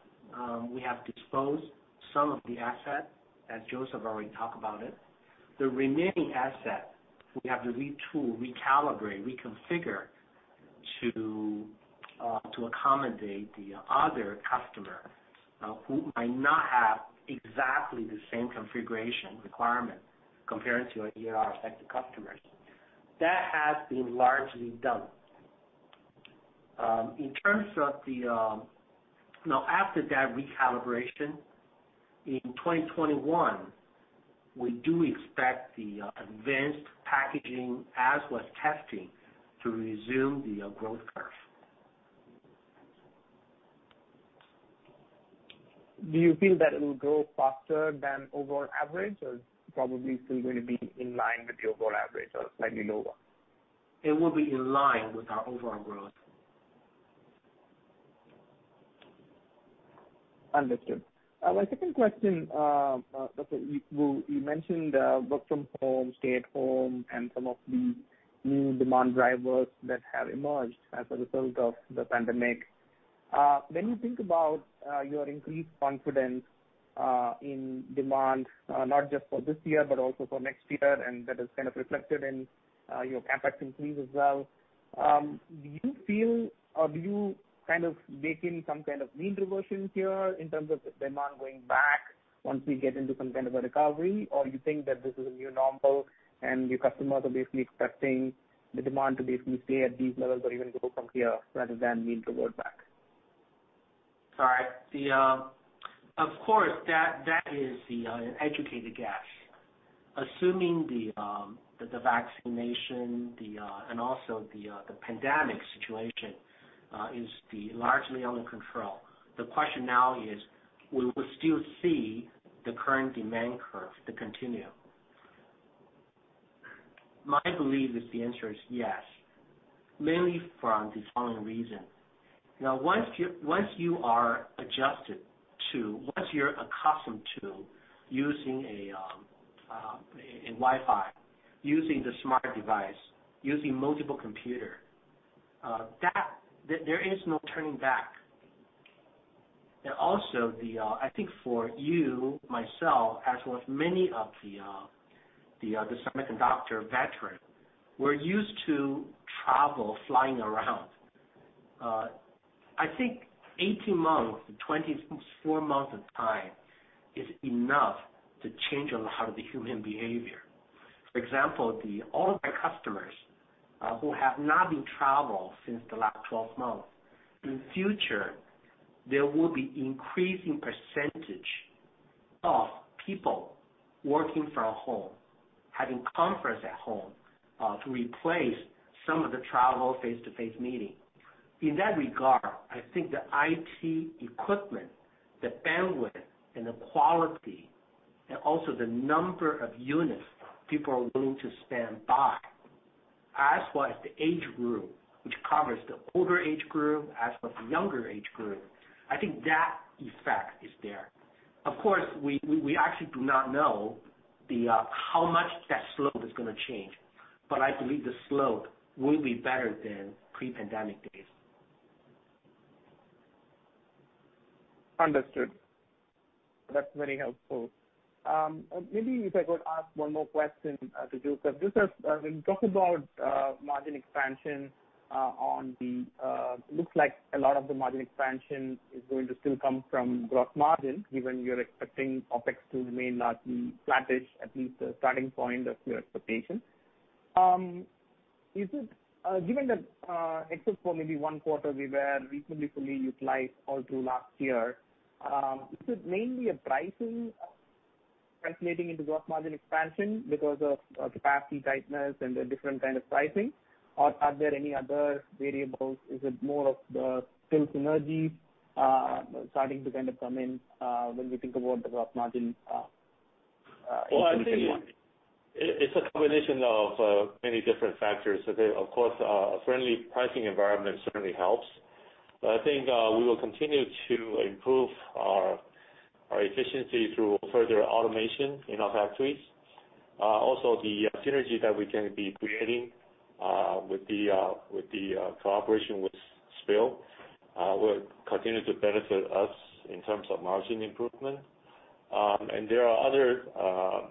We have disposed some of the asset, as Joseph already talked about it. The remaining asset, we have to retool, recalibrate, reconfigure to to accommodate the other customer, who might not have exactly the same configuration requirement compared to our EAR affected customers. That has been largely done. In terms of the - now after that recalibration, in 2021, we do expect the advanced packaging, as with testing, to resume the growth curve. Do you feel that it will grow faster than overall average, or probably still going to be in line with the overall average or slightly lower? It will be in line with our overall growth. Understood. My second question, okay, you mentioned work from home, stay at home, and some of the new demand drivers that have emerged as a result of the pandemic. When you think about your increased confidence in demand not just for this year, but also for next year, and that is kind of reflected in your CapEx increase as well, do you feel, or do you kind of bake in some kind of mean reversion here in terms of the demand going back once we get into some kind of a recovery? Or you think that this is a new normal and your customers are basically expecting the demand to basically stay at these levels or even grow from here rather than mean revert back? Sorry. Of course, that is an educated guess. Assuming the vaccination and also the pandemic situation is largely under control, the question now is, will we still see the current demand curve to continue? My belief is the answer is yes, mainly from the following reasons. Now, once you're accustomed to using a Wi-Fi, using the smart device, using multiple computer, there is no turning back. And also, I think for you, myself, as with many of the semiconductor veterans, we're used to travel, flying around. I think 18 months, 24 months of time, is enough to change a lot of the human behavior. For example, all of our customers who have not been traveled since the last 12 months, in future, there will be increasing percentage of people working from home, having conference at home to replace some of the travel face-to-face meeting. In that regard, I think the IT equipment, the bandwidth and the quality, and also the number of units people are willing to stand by, as well as the age group, which covers the older age group as with the younger age group, I think that effect is there. Of course, we actually do not know how much that slope is going to change, but I believe the slope will be better than pre-pandemic days. Understood. That's very helpful. Maybe if I could ask one more question to Joseph. This is when you talk about margin expansion on the looks like a lot of the margin expansion is going to still come from gross margin, given you're expecting OpEx to remain largely flattish, at least the starting point of your expectation. Is it, given that, except for maybe one quarter, we were reasonably fully utilized all through last year, is it mainly a pricing translating into gross margin expansion because of capacity tightness and the different kind of pricing? Or are there any other variables? Is it more of the SPIL synergies starting to kind of come in when we think about the gross margin in 2021? Well, I think it's a combination of many different factors. So, of course, a friendly pricing environment certainly helps. But I think we will continue to improve our efficiency through further automation in our factories. Also, the synergy that we can be creating with the cooperation with SPIL will continue to benefit us in terms of margin improvement. There are other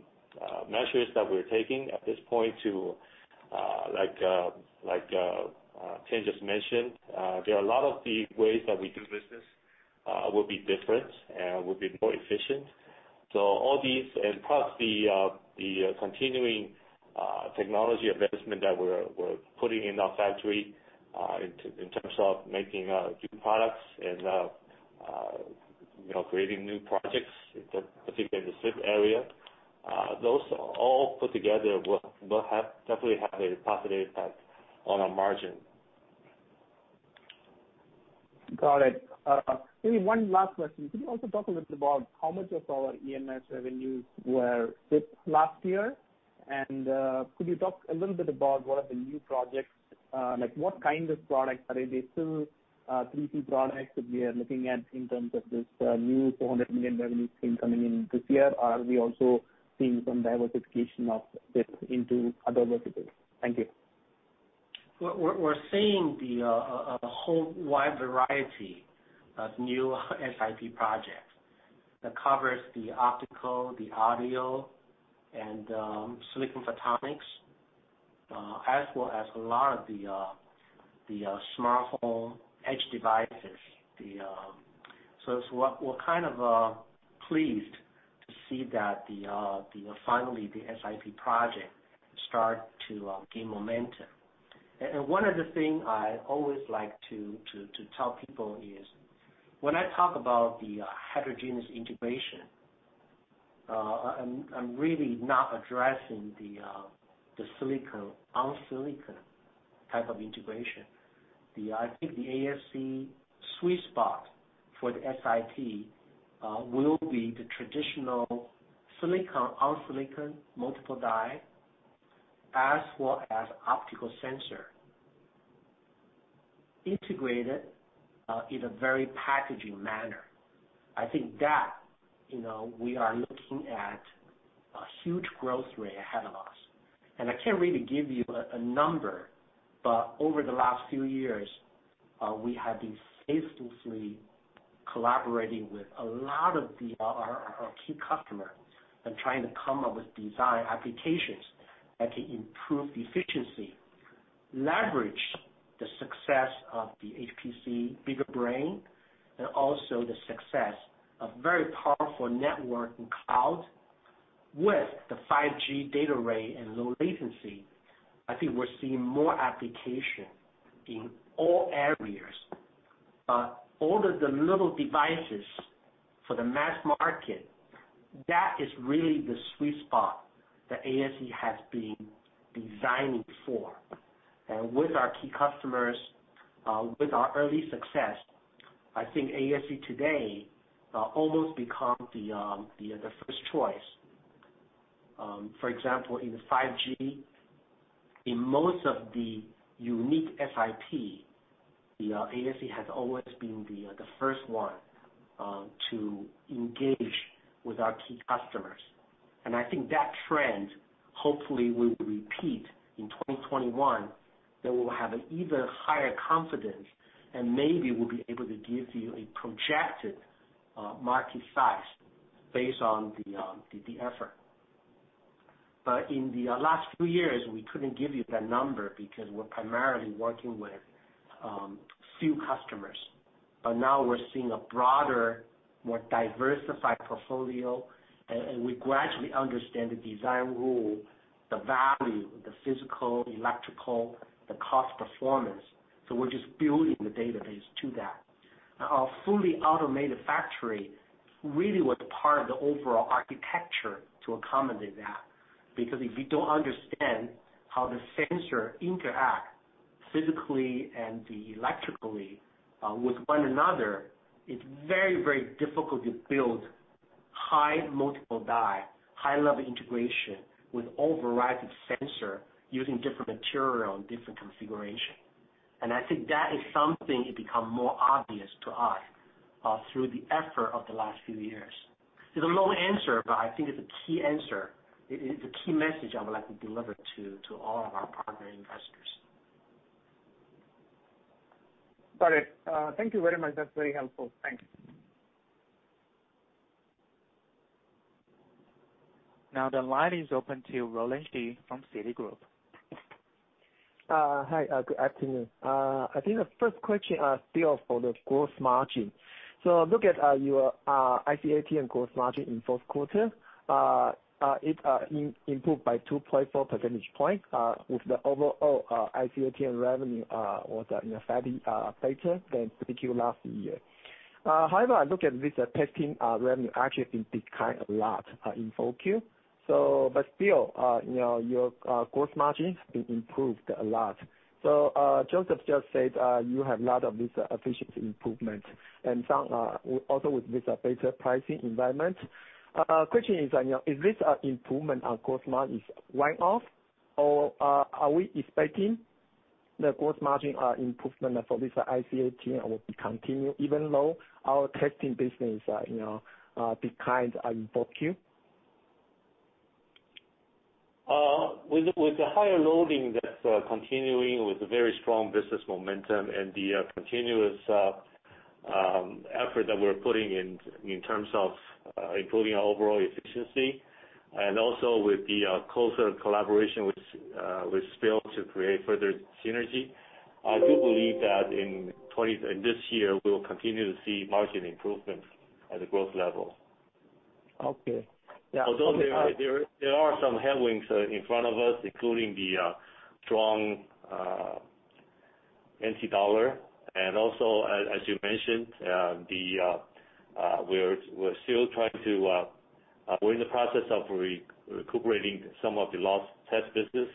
measures that we're taking at this point to, like, Tien just mentioned. There are a lot of the ways that we do business will be different and will be more efficient. So all these and plus the continuing technology investment that we're putting in our factory in terms of making new products and, you know, creating new projects, particularly in the SiP area, those all put together will definitely have a positive impact on our margin. Got it. Maybe one last question. Could you also talk a little bit about how much of our EMS revenues were SiP last year? And, could you talk a little bit about what are the new projects, like, what kind of products are they still, products that we are looking at in terms of this, new $400 million revenue stream coming in this year? Are we also seeing some diversification of this into other verticals? Thank you. We're seeing a whole wide variety of new SiP projects that covers the optical, the audio, and silicon photonics, as well as a lot of the smartphone edge devices. We're kind of pleased to see that finally the SiP project start to gain momentum. And one of the thing I always like to tell people is, when I talk about the heterogeneous integration, I'm really not addressing the silicon on silicon type of integration. I think the ASE sweet spot for the SiP will be the traditional silicon on silicon, multiple die, as well as optical sensor integrated in a very packaging manner. I think that, you know, we are looking at a huge growth rate ahead of us. I can't really give you a number, but over the last few years, we have been faithfully collaborating with a lot of our key customers and trying to come up with design applications that can improve the efficiency, leverage the success of the HPC bigger brain, and also the success of very powerful network and cloud with the 5G data rate and low latency. I think we're seeing more application in all areas. But all of the little devices for the mass market, that is really the sweet spot that ASE has been designing for. With our key customers, with our early success, I think ASE today almost become the first choice. For example, in the 5G, in most of the unique SiP, the ASE has always been the first one to engage with our key customers. And I think that trend hopefully will repeat in 2021, that we'll have an even higher confidence, and maybe we'll be able to give you a projected market size based on the effort. But in the last few years, we couldn't give you that number because we're primarily working with few customers. But now we're seeing a broader, more diversified portfolio, and we gradually understand the design rule, the value, the physical, electrical, the cost performance, so we're just building the database to that. Our fully automated factory really was part of the overall architecture to accommodate that, because if you don't understand how the sensor interact physically and electrically with one another, it's very, very difficult to build high multiple die, high level integration with all variety of sensor using different material and different configuration. And I think that is something it become more obvious to us through the effort of the last few years. It's a long answer, but I think it's a key answer. It is the key message I would like to deliver to, to all of our partner investors. Got it. Thank you very much. That's very helpful. Thanks. Now, the line is open to Roland Shu from Citigroup. Hi, good afternoon. I think the first question still for the gross margin. So look at your IC ATM gross margin in fourth quarter. It improved by 2.4 percentage points with the overall IC ATM revenue was in a fairly better than particular last year. However, I look at this testing revenue actually been declined a lot in 4Q. So, but still, you know, your gross margin has been improved a lot. So, Joseph just said you have a lot of this efficiency improvement and some also with this better pricing environment. Question is, you know, is this improvement on gross margin one-off or are we expecting the gross margin improvement for this IC ATM will be continue, even though our testing business, you know, declined in 4Q? With the higher loading that's continuing with a very strong business momentum and the continuous effort that we're putting in terms of improving our overall efficiency, and also with the closer collaboration with SPIL to create further synergy, I do believe that in this year, we will continue to see margin improvement at the growth level. Okay. Yeah. Although there are some headwinds in front of us, including the strong NT dollar. And also, as you mentioned, we're in the process of recuperating some of the lost test business,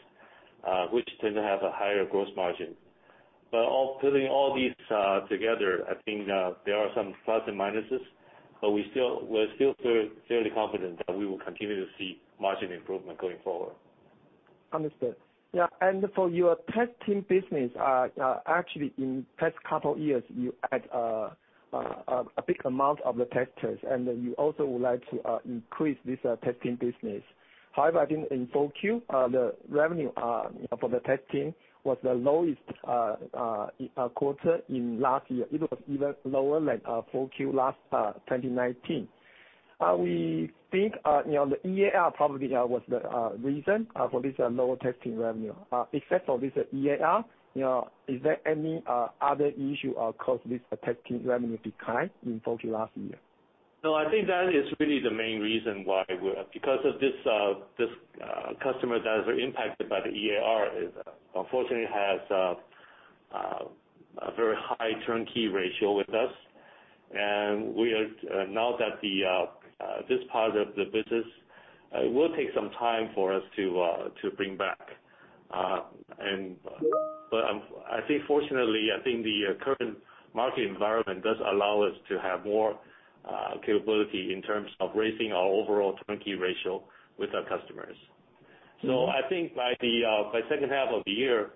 which tend to have a higher gross margin. But putting all these together, I think there are some plus and minuses, but we're still very confident that we will continue to see margin improvement going forward. Understood. Yeah, and for your testing business, actually, in past couple years, you had a big amount of the testers, and then you also would like to increase this testing business. However, I think in 4Q, the revenue for the testing was the lowest quarter in last year. It was even lower than 4Q last 2019. We think, you know, the EAR probably was the reason for this lower testing revenue. Except for this EAR, you know, is there any other issue caused this testing revenue decline in 4Q last year? No, I think that is really the main reason why we're... Because of this customer that is impacted by the EAR, it unfortunately has a very high turnkey ratio with us. And now that this part of the business will take some time for us to bring back. But I think fortunately, I think the current market environment does allow us to have more capability in terms of raising our overall turnkey ratio with our customers. I think by second half of the year,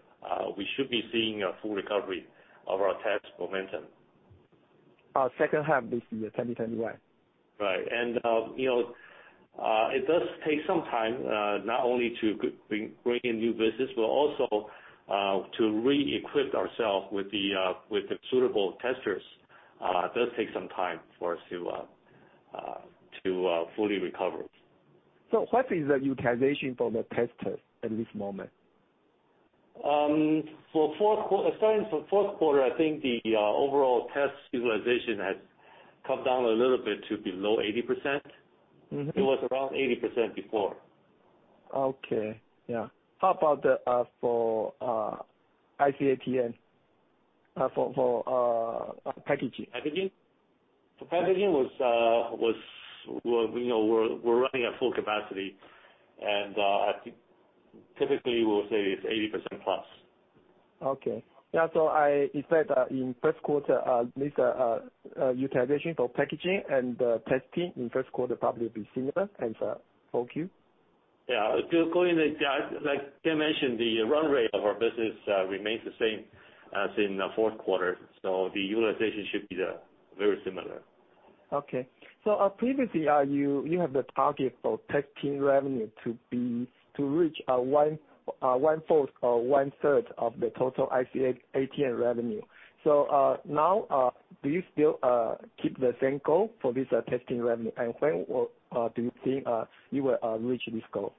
we should be seeing a full recovery of our test momentum. Second half this year, 2021. Right. And, you know, it does take some time, not only to bring in new business, but also to re-equip ourselves with the suitable testers. It does take some time for us to fully recover. What is the utilization for the testers at this moment? For fourth quarter, starting from fourth quarter, I think the overall test utilization has come down a little bit to below 80%. Mm-hmm. It was around 80% before. Okay. Yeah. How about the for IC ATM and for packaging? Packaging? For packaging was well, you know, we're running at full capacity. I think typically, we'll say it's 80%+. Okay. Yeah, so in fact, in first quarter, this utilization for packaging and testing in first quarter probably be similar as 4Q? Yeah. To go in the, like I mentioned, the run rate of our business remains the same as in the fourth quarter, so the utilization should be very similar. Okay. So, previously, you have the target for testing revenue to be, to reach, 1/4 or 1/3 of the total IC ATM revenue. So, now, do you still keep the same goal for this testing revenue? And when do you think you will reach this goal?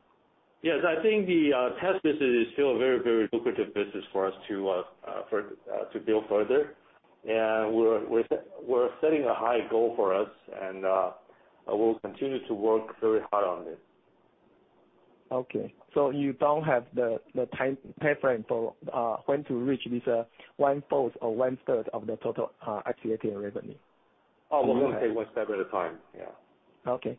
Yes, I think the test business is still a very, very lucrative business for us to build further. And we're setting a high goal for us, and we'll continue to work very hard on this. Okay. So you don't have the time frame for when to reach this one-fourth or one-third of the total IC ATM revenue? Oh, we'll take one step at a time. Yeah.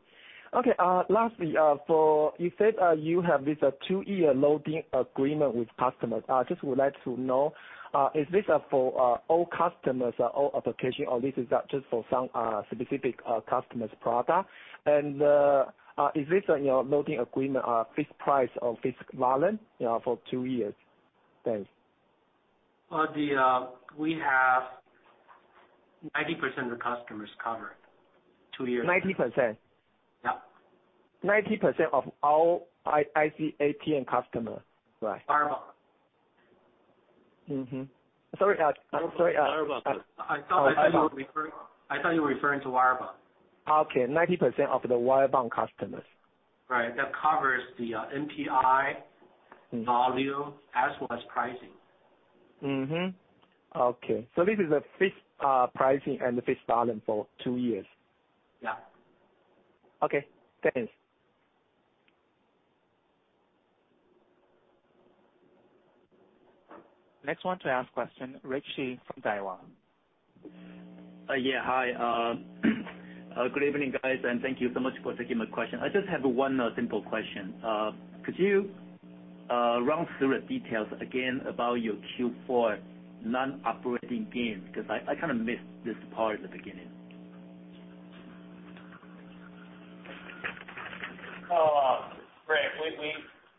Okay. Okay, lastly, for you said, you have this two-year loading agreement with customers. Just would like to know, is this for all customers, all application, or this is just for some specific customer's product? And, is this, you know, loading agreement fixed price or fixed volume, you know, for two years? Thanks. We have 90% of the customers covered two years. Ninety percent? Yeah. 90% of all IC ATM customers, right? Wire Bond. Mm-hmm. Sorry, I'm sorry. Wire Bond. I thought you were referring to Wire Bond. Okay, 90% of the Wire Bond customers. Right. That covers the NPI volume as well as pricing. Mm-hmm. Okay. So this is a fixed pricing and a fixed volume for two years? Yeah. Okay. Thanks. Next one to ask question, Rick Hsu from Daiwa. Yeah, hi. Good evening, guys, and thank you so much for taking my question. I just have one simple question. Could you run through the details again about your Q4 non-operating gains? Because I kind of missed this part at the beginning. Oh, Rick, we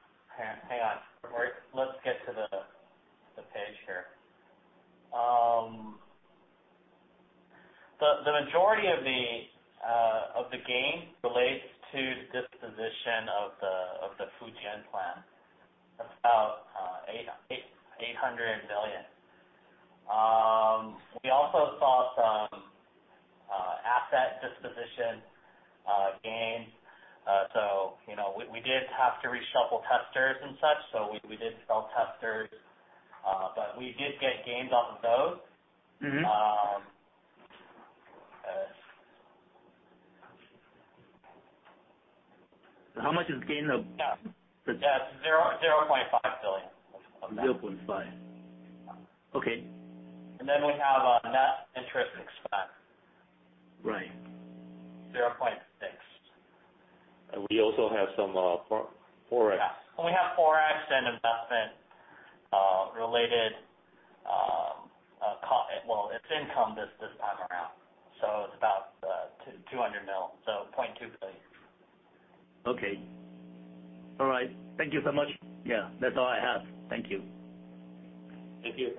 - hang on. Let's get to the page here. The majority of the gain relates to disposition of the Fujian plant. That's about TWD 800 million. We also saw some asset disposition gain. So, you know, we did have to reshuffle testers and such, so we did sell testers, but we did get gains off of those. Mm-hmm. How much is gain of cap. Yeah, 0.5 billion of that. 0.5 billion. Okay. And then we have net interest expense. Right. 0.6 billion. And we also have some Forex. Yeah. We have Forex and investment related income this time around, so it's about 200 million, so 0.2 billion. Okay. All right. Thank you so much. Yeah, that's all I have. Thank you. Thank you.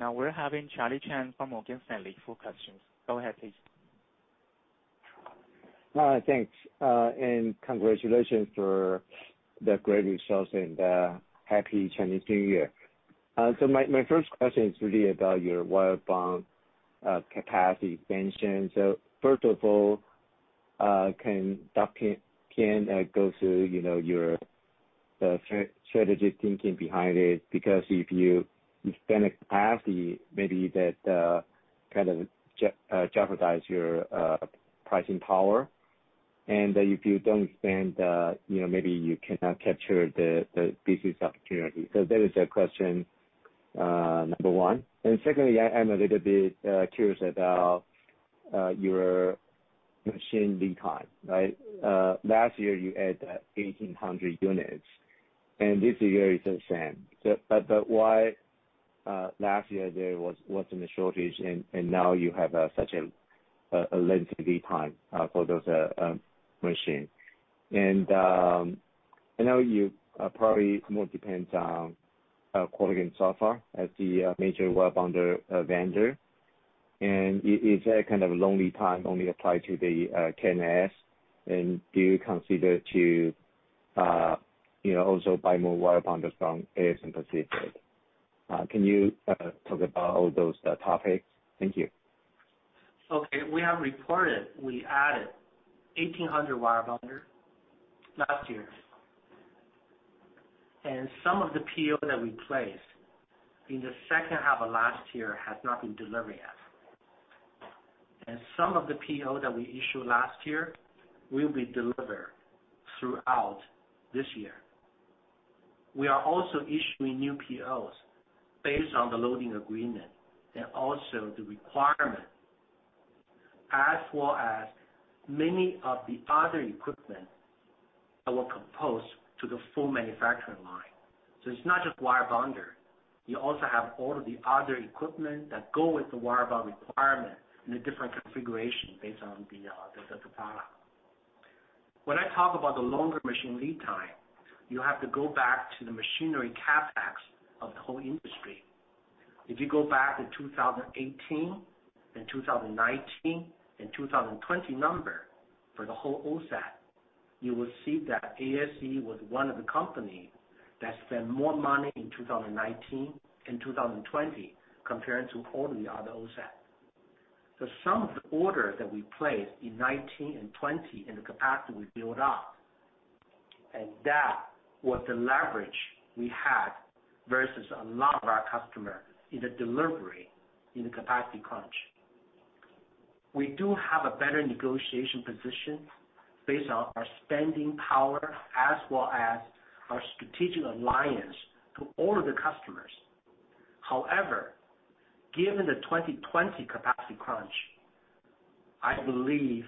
Now, we're having Charlie Chan from Morgan Stanley for questions. Go ahead, please. Thanks, and congratulations for the great results and, Happy Chinese New Year. So my, my first question is really about your Wire Bond capacity expansion. So first of all, can Dr. Tien go through, you know, your strategic thinking behind it? Because if you expand a capacity, maybe that kind of jeopardize your pricing power. And if you don't expand, you know, maybe you cannot capture the business opportunity. So that is a question number one. And secondly, I'm a little bit curious about your machine lead time, right? Last year you added 1,800 units, and this year is the same. But why, last year there was not a shortage, and now you have such a lengthy lead time for those machines? I know you probably more depend on Kulicke & Soffa as the major wire bonder vendor. Is that kind of a long lead time only applied to the K&S, and do you consider to also buy more wire bonders from K&S in the future? Can you talk about those topics? Thank you. Okay, we have reported we added 1800 wire bonder last year, and some of the PO that we placed in the second half of last year has not been delivered yet. Some of the PO that we issued last year will be delivered throughout this year. We are also issuing new POs based on the loading agreement and also the requirement, as well as many of the other equipment that were composed to the full manufacturing line. So it's not just wire bonder, you also have all of the other equipment that go with the Wire Bond requirement in a different configuration based on the product. When I talk about the longer machine lead time, you have to go back to the machinery CapEx of the whole industry. If you go back to 2018 and 2019 and 2020 number for the whole OSAT, you will see that ASE was one of the company that spent more money in 2019 and 2020, compared to all the other OSAT. So some of the orders that we placed in 2019 and 2020 and the capacity we built up, and that was the leverage we had versus a lot of our customer in the delivery, in the capacity crunch. We do have a better negotiation position based on our spending power as well as our strategic alliance to all the customers. However, given the 2020 capacity crunch, I believe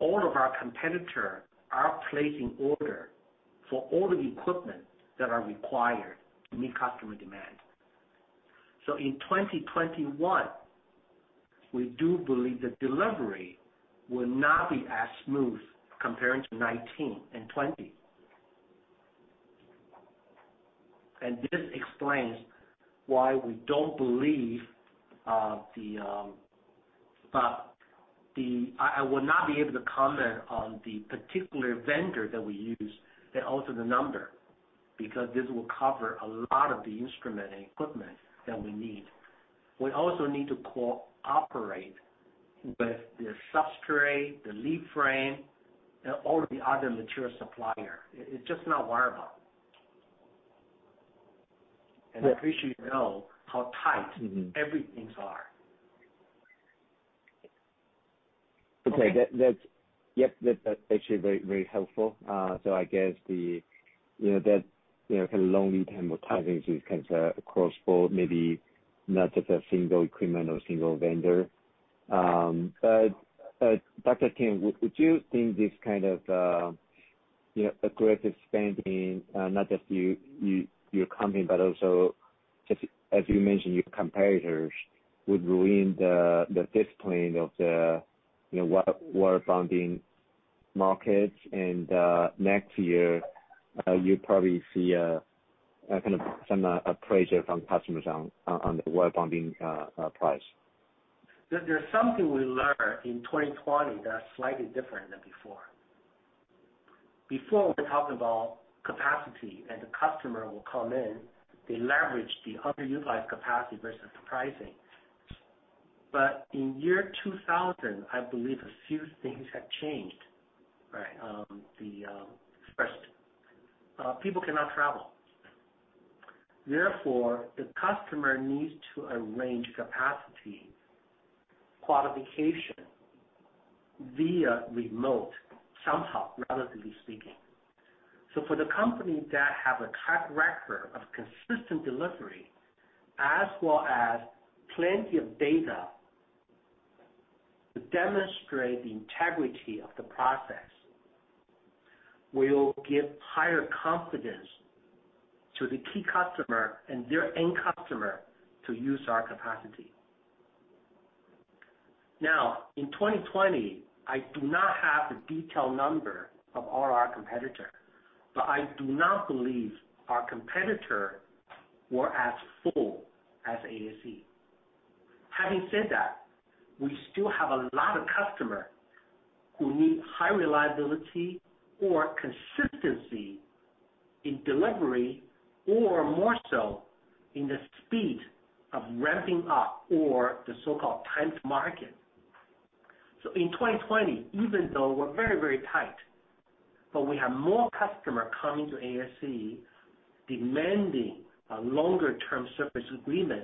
all of our competitor are placing order for all the equipment that are required to meet customer demand. So in 2021, we do believe the delivery will not be as smooth comparing to 2019 and 2020. And this explains why we don't believe, but I will not be able to comment on the particular vendor that we use and also the number, because this will cover a lot of the instrument and equipment that we need. We also need to cooperate with the substrate, the lead frame, and all the other mature supplier. It's just not Wire Bond. Yeah. I'm pretty sure you know how tight everything are. Okay. That's, yep, that's actually very, very helpful. So I guess the, you know, that, you know, kind of long lead time or timing is kind of across the board, maybe not just a single equipment or single vendor. But, Dr. Tien, would you think this kind of, you know, aggressive spending, not just your company, but also just as you mentioned, your competitors, would ruin the discipline of the, you know, wire bonding markets, and next year, you probably see a kind of some pressure from customers on the wire bonding price? There, there's something we learned in 2020 that's slightly different than before. Before, we talk about capacity, and the customer will come in, they leverage the underutilized capacity versus pricing. But in 2020, I believe a few things have changed. Right. People cannot travel. Therefore, the customer needs to arrange capacity qualification via remote somehow, relatively speaking. So for the company that have a track record of consistent delivery, as well as plenty of data to demonstrate the integrity of the process, will give higher confidence to the key customer and their end customer to use our capacity. Now, in 2020, I do not have the detailed number of all our competitor, but I do not believe our competitor were as full as ASE. Having said that, we still have a lot of customer who need high reliability or consistency in delivery, or more so in the speed of ramping up or the so-called time to market. So in 2020, even though we're very, very tight, but we have more customer coming to ASE demanding a longer term service agreement,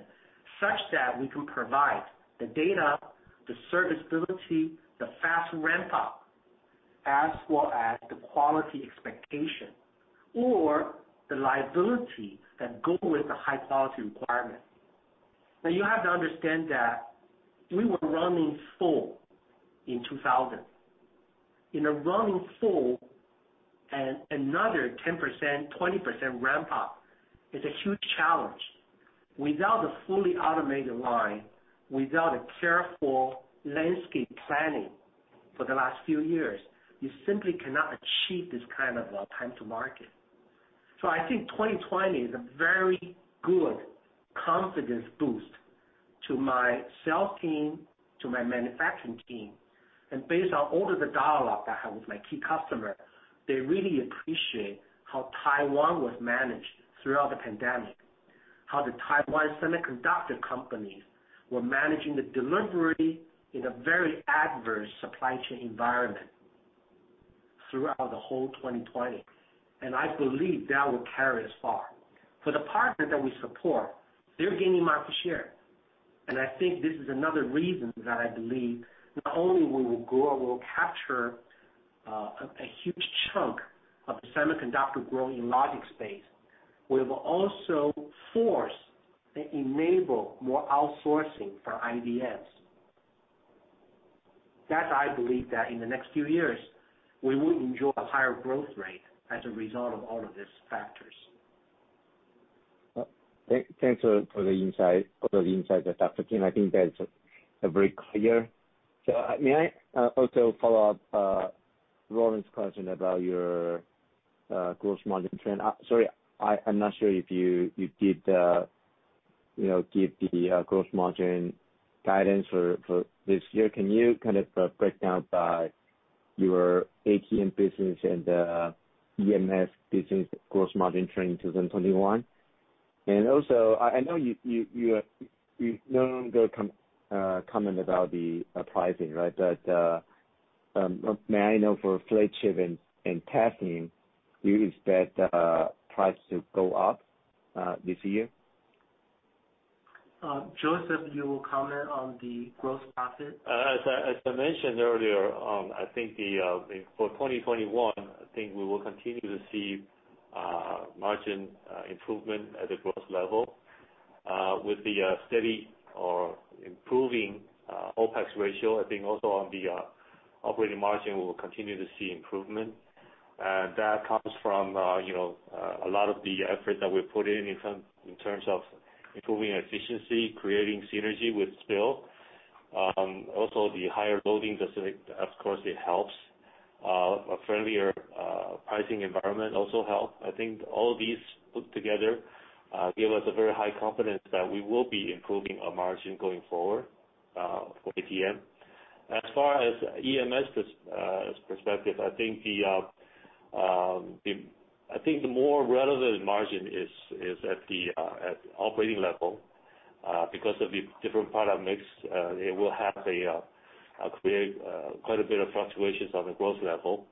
such that we can provide the data, the serviceability, the fast ramp-up, as well as the quality expectation or the reliability that go with the high quality requirement. Now, you have to understand that we were running full in 2000. In a running full and another 10%, 20% ramp-up is a huge challenge. Without a fully automated line, without a careful landscape planning for the last few years, you simply cannot achieve this kind of time to market. So I think 2020 is a very good confidence boost to my sales team, to my manufacturing team, and based on all of the dialogue I have with my key customer, they really appreciate how Taiwan was managed throughout the pandemic, how the Taiwan Semiconductor companies were managing the delivery in a very adverse supply chain environment throughout the whole 2020. And I believe that will carry us far. For the partner that we support, they're gaining market share, and I think this is another reason that I believe not only we will grow, we'll capture a huge chunk of the semiconductor growth in logic space, we will also force and enable more outsourcing for IDMs. That's I believe that in the next few years, we will enjoy a higher growth rate as a result of all of these factors. Thanks for the insight, Dr. Tien. I think that's very clear. So, may I also follow up Roland's question about your gross margin trend? Sorry, I'm not sure if you did, you know, give the gross margin guidance for this year. Can you kind of break down by your ATM business and EMS business gross margin trend in 2021? And also, I know you no longer comment about the pricing, right? But, may I know for flip chip and testing, do you expect price to go up this year? Joseph, you will comment on the gross profit. As I mentioned earlier, I think for 2021, I think we will continue to see margin improvement at the gross level. With the steady or improving OpEx ratio, I think also on the operating margin, we will continue to see improvement. That comes from, you know, a lot of the effort that we put in, in terms of improving efficiency, creating synergy with SPIL. Also the higher loading, of course, it helps. A friendlier pricing environment also help. I think all of these put together give us a very high confidence that we will be improving our margin going forward, for ATM. As far as EMS perspective, I think the more relevant margin is at the operating level, because of the different product mix, it will create quite a bit of fluctuations on the gross level.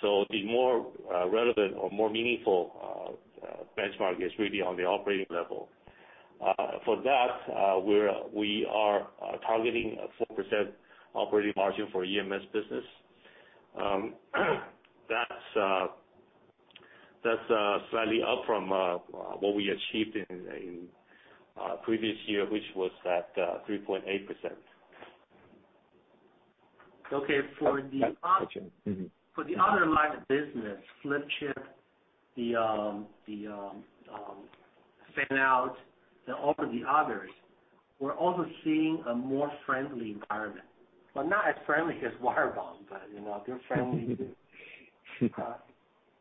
So the more relevant or more meaningful benchmark is really on the operating level. For that, we are targeting a 4% operating margin for EMS business. That's slightly up from what we achieved in previous year, which was at 3.8%. Okay. For the - for the other line of business, flip chip, the fan out and all of the others, we're also seeing a more friendly environment, but not as friendly as Wire Bond, but, you know, they're friendly.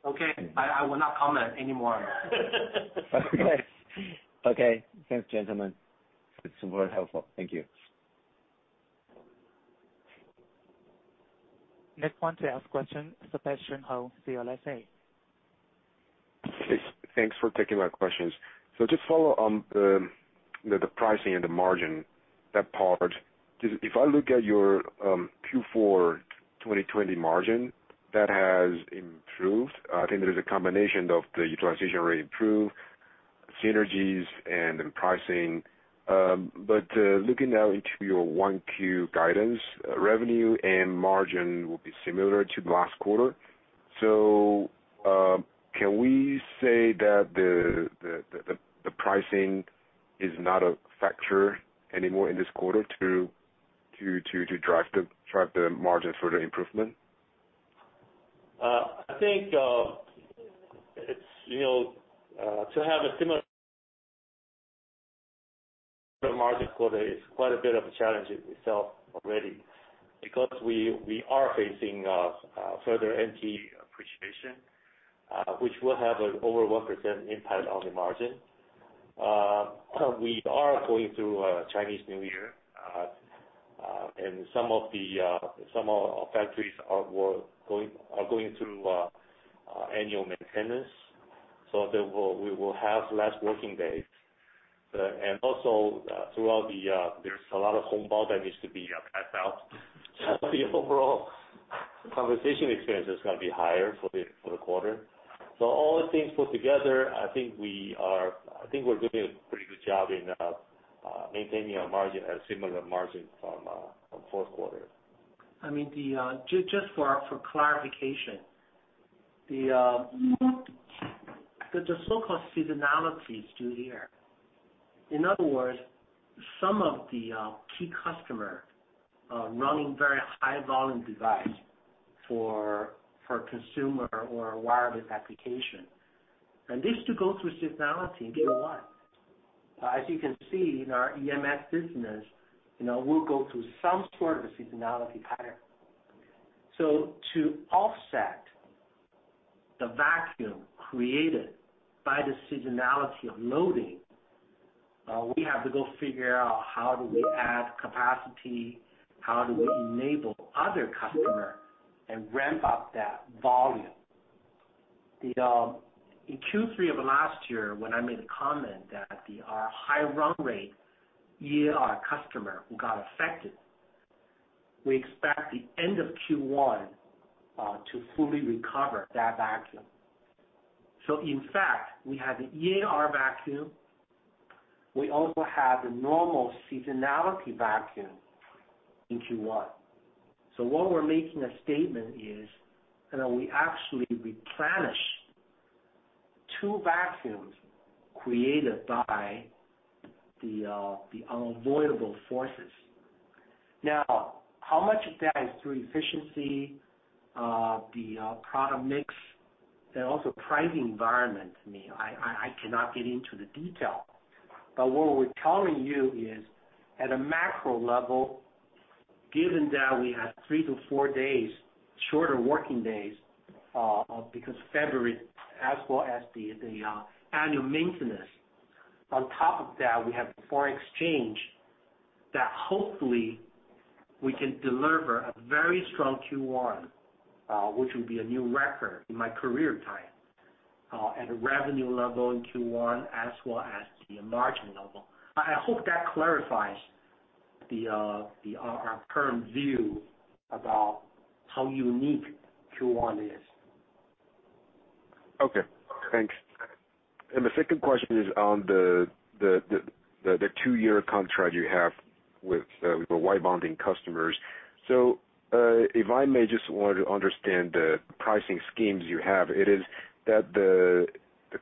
Okay, I will not comment any more on that. Okay. Thanks, gentlemen. It's very helpful. Thank you. Next one to ask question, Sebastian Hou, CLSA. Thanks, thanks for taking my questions. So just follow on, the pricing and the margin, that part. If I look at your Q4 2020 margin, that has improved. I think there is a combination of the utilization rate improved, synergies and pricing. But looking now into your 1Q guidance, revenue and margin will be similar to last quarter. So, can we say that the pricing is not a factor anymore in this quarter to drive the margin further improvement? I think, it's, you know, to have a similar margin quarter is quite a bit of a challenge in itself already, because we are facing further NTD appreciation, which will have an over 1% impact on the margin. We are going through Chinese New Year. And some of our factories are going through annual maintenance, so we will have less working days. And also, throughout the, there's a lot of hóngbāo that needs to be passed out. So the overall conversion expense is gonna be higher for the quarter. So all the things put together, I think we're doing a pretty good job in maintaining our margin at a similar margin from fourth quarter. I mean, just for clarification, the so-called seasonality is due here. In other words, some of the key customer running very high volume device for consumer or wireless application. And this to go through seasonality in Q1. As you can see in our EMS business, you know, we'll go through some sort of a seasonality pattern. So to offset the vacuum created by the seasonality of loading, we have to go figure out how do we add capacity, how do we enable other customer, and ramp up that volume. In Q3 of last year, when I made a comment that our high run rate year, our customer who got affected, we expect the end of Q1 to fully recover that vacuum. So in fact, we have the air vacuum. We also have the normal seasonality vacuum in Q1. So what we're making a statement is, you know, we actually replenish 2 vacuums created by the unavoidable forces. Now, how much of that is through efficiency, the product mix, and also pricing environment? I cannot get into the detail. But what we're telling you is, at a macro level, given that we have three to four days shorter working days, because February as well as the annual maintenance, on top of that, we have foreign exchange, that hopefully we can deliver a very strong Q1, which will be a new record in my career time, at a revenue level in Q1, as well as the margin level. I hope that clarifies our current view about how unique Q1 is. Okay, thanks. And the second question is on the two-year contract you have with the wire bonding customers. So, if I may just want to understand the pricing schemes you have, it is that the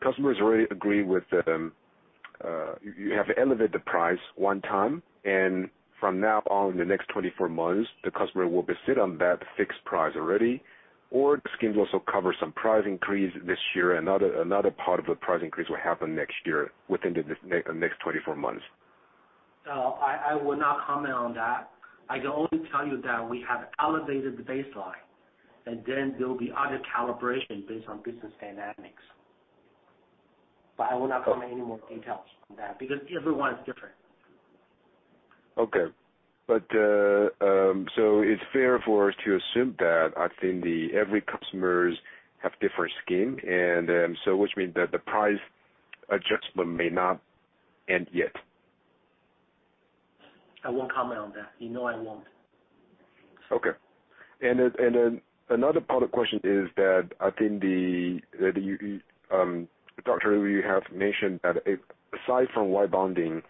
customers already agree with you have to elevate the price one time, and from now on, in the next 24 months, the customer will sit on that fixed price already, or the schemes also cover some price increase this year, another part of the price increase will happen next year, within the next 24 months. I will not comment on that. I can only tell you that we have elevated the baseline, and then there will be other calibration based on business dynamics. I will not comment any more details on that, because everyone is different. Okay. But, so it's fair for us to assume that I think the every customers have different scheme, and, so which means that the price adjustment may not end yet? I won't comment on that. You know I won't. Okay. And then another part of the question is that I think that you, Dr. Liu, you have mentioned that aside from wire bonding,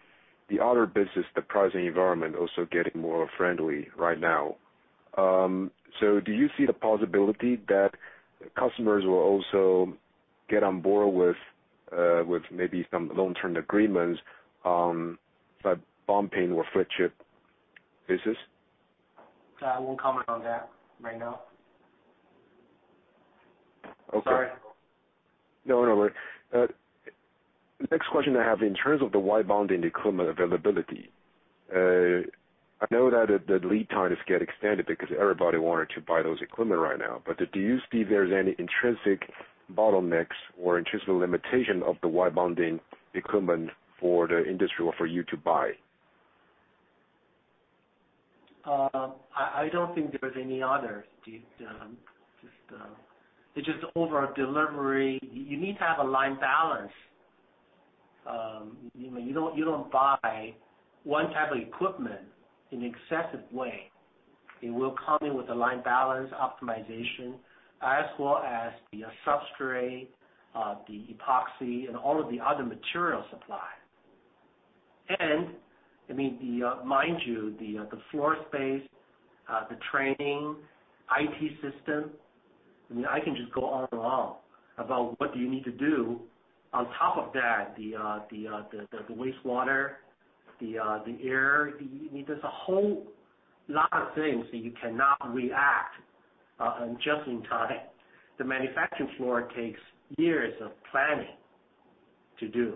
the other business, the pricing environment, also getting more friendly right now. So do you see the possibility that customers will also get on board with maybe some long-term agreements, like bumping or flip chip business? So I won't comment on that right now. Okay. Sorry. No, no worries. The next question I have, in terms of the wire bonding equipment availability, I know that the lead times get extended because everybody wanted to buy those equipment right now. But do you see there's any intrinsic bottlenecks or intrinsic limitation of the wire bonding equipment for the industry or for you to buy? I don't think there is any other, just, it's just over delivery. You need to have a line balance. You know, you don't buy one type of equipment in excessive way. It will come in with a line balance optimization, as well as the substrate, the epoxy, and all of the other material supply. And I mean, the floor space, the training, IT system, I mean, I can just go on and on about what do you need to do. On top of that, the wastewater, the air, there's a whole lot of things that you cannot react just in time. The manufacturing floor takes years of planning to do.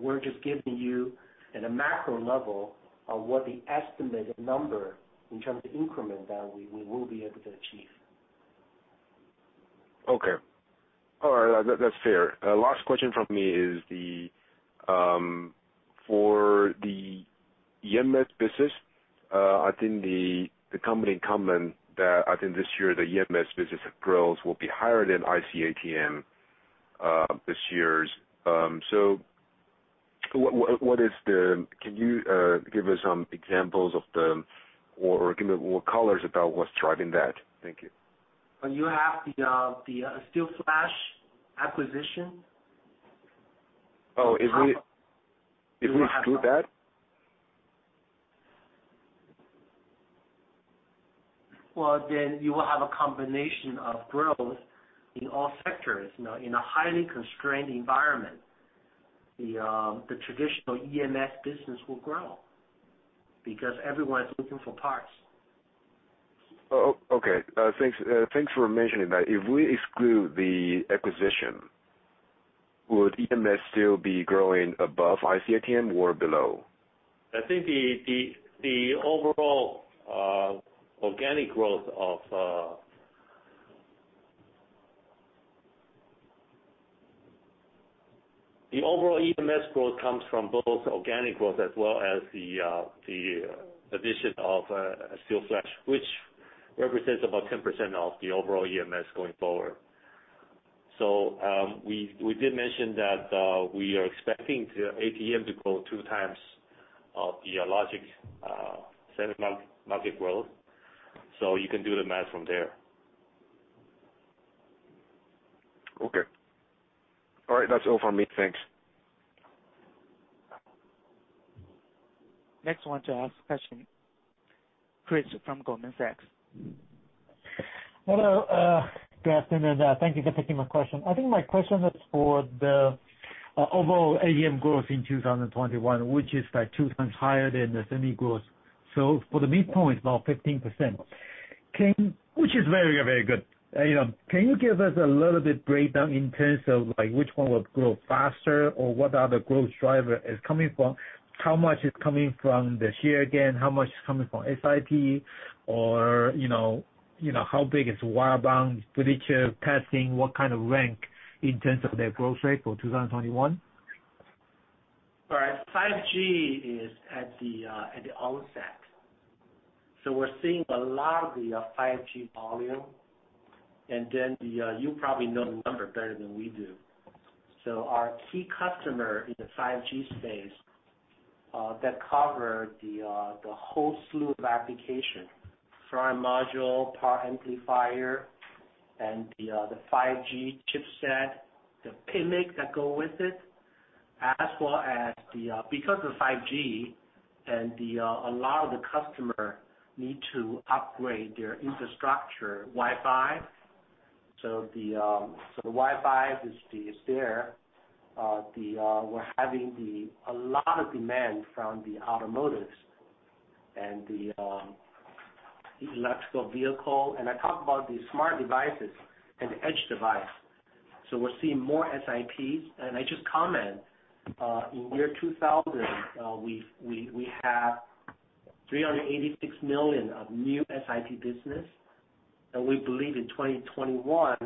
We're just giving you, at a macro level, what the estimated number in terms of increment that we will be able to achieve. Okay. All right, that, that's fair. Last question from me is for the EMS business. I think the company comment that I think this year, the EMS business growth will be higher than IC ATM this year's. So, can you give us some examples of the, or give me more colors about what's driving that? Thank you. Well, you have the Asteelflash acquisition. Oh, if we - if we exclude that? Well, then you will have a combination of growth in all sectors, you know, in a highly constrained environment, the traditional EMS business will grow because everyone is looking for parts. Oh, okay. Thanks, thanks for mentioning that. If we exclude the acquisition, would EMS still be growing above IC ATM or below? I think the overall organic growth of. The overall EMS growth comes from both organic growth as well as the addition of Asteelflash, which represents about 10% of the overall EMS going forward. So, we did mention that we are expecting the ATM to grow two times of the logic semi market growth, so you can do the math from there. Okay. All right. That's all for me. Thanks. Next one to ask question, Bruce from Goldman Sachs. Hello, good afternoon, and thank you for taking my question. I think my question is for the overall ATM growth in 2021, which is, like, two times higher than the semi growth. So for the midpoint, it's about 15%. Which is very, very good. You know, can you give us a little bit breakdown in terms of, like, which one will grow faster, or what other growth driver is coming from? How much is coming from the share gain, how much is coming from SiP, or, you know, you know, how big is Wire Bond, future testing, what kind of rank in terms of their growth rate for 2021? All right. 5G is at the onset. So we're seeing a lot of the 5G volume, and then. You probably know the number better than we do. So our key customer in the 5G space that cover the whole slew of applications, front-end module, power amplifier, and the 5G chipset, the PMIC that go with it, as well as, because of 5G and a lot of the customer need to upgrade their infrastructure, Wi-Fi. So the Wi-Fi is there. We're having a lot of demand from the automotive and the electric vehicle. And I talked about the smart devices and the edge device. So we're seeing more SiPs. I just comment, in year 2000, we have $386 million of new SiP business, and we believe in 2021,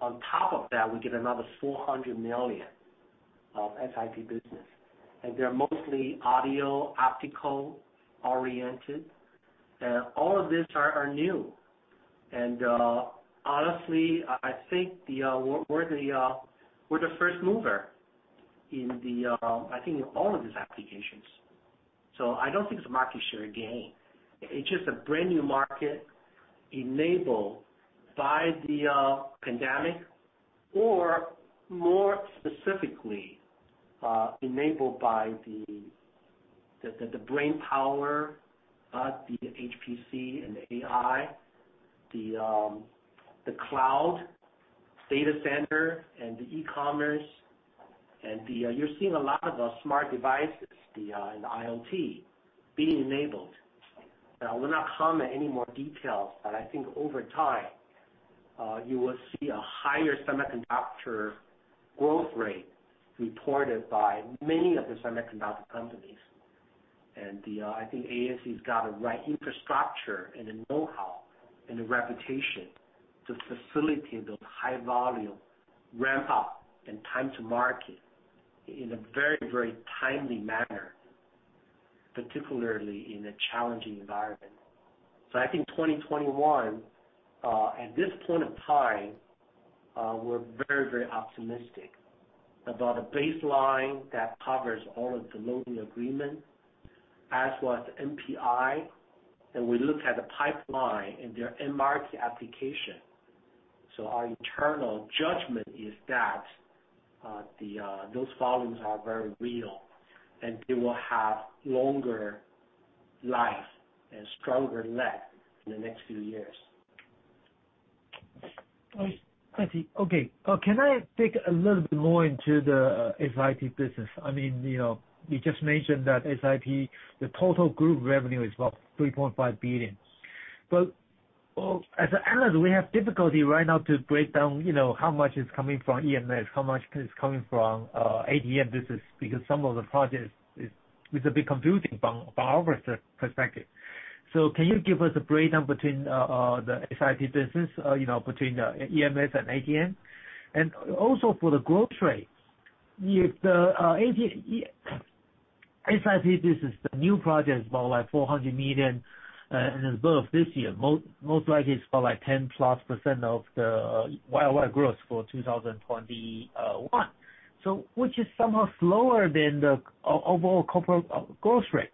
on top of that, we get another $400 million of SiP business. And they're mostly audio, optical-oriented, and all of these are new. And, honestly, I think we're the first mover in the, I think in all of these applications. So I don't think it's a market share gain. It's just a brand-new market enabled by the pandemic, or more specifically, enabled by the brainpower, the HPC and AI, the cloud data center and the e-commerce... and you're seeing a lot of the smart devices in IoT being enabled. Now, I will not comment any more details, but I think over time, you will see a higher semiconductor growth rate reported by many of the semiconductor companies. And the, I think ASE's got the right infrastructure and the know-how and the reputation to facilitate those high volume ramp up and time to market in a very, very timely manner, particularly in a challenging environment. So I think 2021, at this point in time, we're very, very optimistic about a baseline that covers all of the loading agreement, as well as NPI, and we look at the pipeline and their end market application. So our internal judgment is that, the, those volumes are very real, and they will have longer life and stronger leg in the next few years. I see. Okay. Can I dig a little bit more into the SiP business? I mean, you know, you just mentioned that SiP, the total group revenue is about $3.5 billion. But, well, as an analyst, we have difficulty right now to break down, you know, how much is coming from EMS, how much is coming from ATM business, because some of the projects is a bit confusing from our perspective. So can you give us a breakdown between the SiP business, you know, between the EMS and ATM? And also for the growth rate, if the SiP business, the new project is about like $400 million in the course of this year, most likely it's for like 10%+ of the year-wide growth for 2021. So which is somehow slower than the overall corporate growth rate.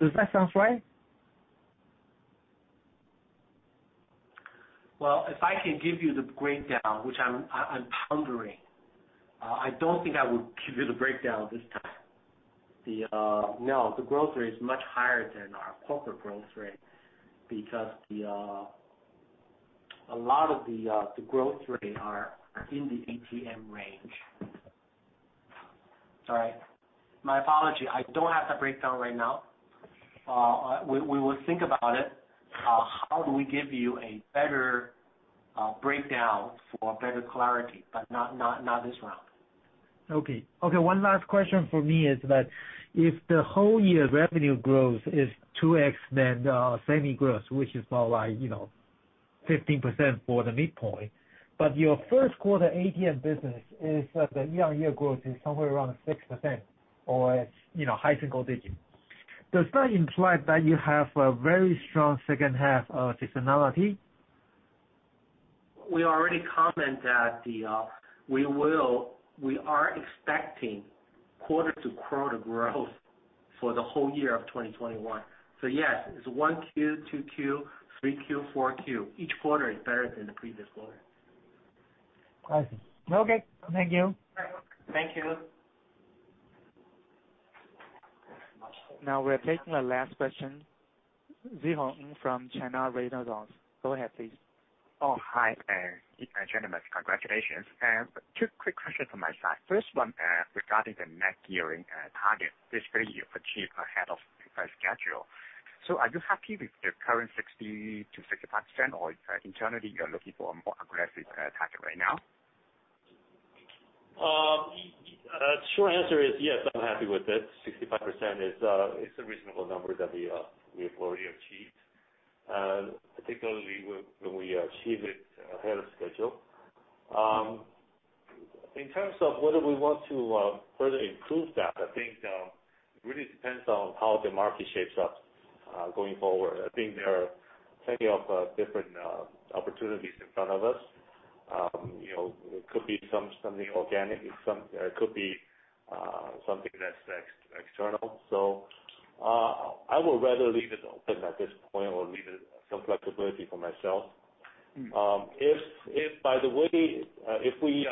Does that sound right? Well, if I can give you the breakdown, which I'm pondering, I don't think I would give you the breakdown this time. No, the growth rate is much higher than our corporate growth rate, because a lot of the growth rate are in the ATM range. Sorry. My apology, I don't have the breakdown right now. We will think about it, how do we give you a better breakdown for better clarity, but not this round. Okay. Okay, one last question for me is that if the whole year's revenue growth is 2x, then the semi growth, which is about like, you know, 15% for the midpoint, but your first quarter ATM business is that the year-on-year growth is somewhere around 6% or, you know, high single digits. Does that imply that you have a very strong second half seasonality? We already commented that we are expecting quarter-to-quarter growth for the whole year of 2021. So yes, it's 1Q, 2Q, 3Q, 4Q. Each quarter is better than the previous quarter. I see. Okay, thank you. Thank you. Now, we're taking the last question Szeho Ng from China Renaissance. Go ahead, please. Oh, hi there, gentlemen. Congratulations. Two quick questions from my side. First one, regarding the net gearing target, which you've achieved ahead of schedule. So are you happy with the current 60%-65%, or internally, you're looking for a more aggressive target right now? Short answer is yes, I'm happy with it. 65% is a reasonable number that we've already achieved, and particularly when we achieve it ahead of schedule. In terms of whether we want to further improve that, I think it really depends on how the market shapes up going forward. I think there are plenty of different opportunities in front of us. You know, it could be something organic, it could be something that's external. So, I would rather leave it open at this point or leave it some flexibility for myself. If by the way, if we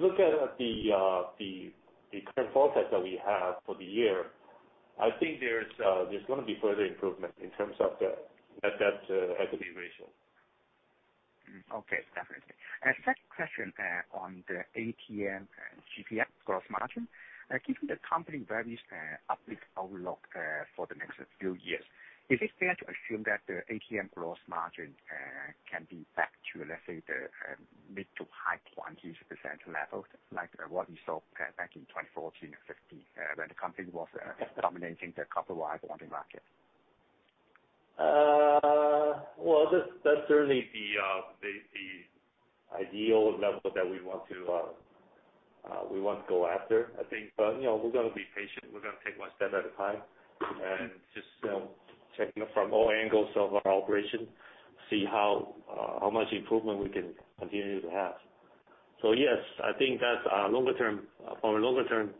look at the current forecast that we have for the year, I think there's gonna be further improvement in terms of the equity ratio. Okay, definitely. And second question on the ATM and GPS gross margin. Given the company's very upbeat outlook for the next few years, is it fair to assume that the ATM gross margin can be back to, let's say, the mid-to high-20% level, like what we saw back in 2014 and 2015, when the company was dominating the copper wire bonding market? Well, that's certainly the ideal level that we want to go after, I think. But, you know, we're gonna be patient. We're gonna take one step at a time and just checking it from all angles of our operation, see how much improvement we can continue to have. So yes, I think that's a longer term... From a longer term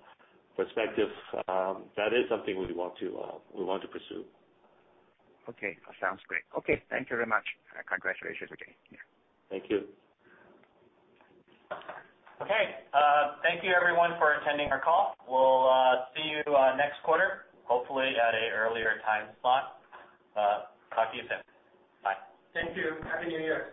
perspective, that is something we want to pursue. Okay. Sounds great. Okay, thank you very much, and congratulations again. Thank you. Okay, thank you everyone for attending our call. We'll see you next quarter, hopefully at a earlier time slot. Talk to you soon. Bye. Thank you. Happy New Year.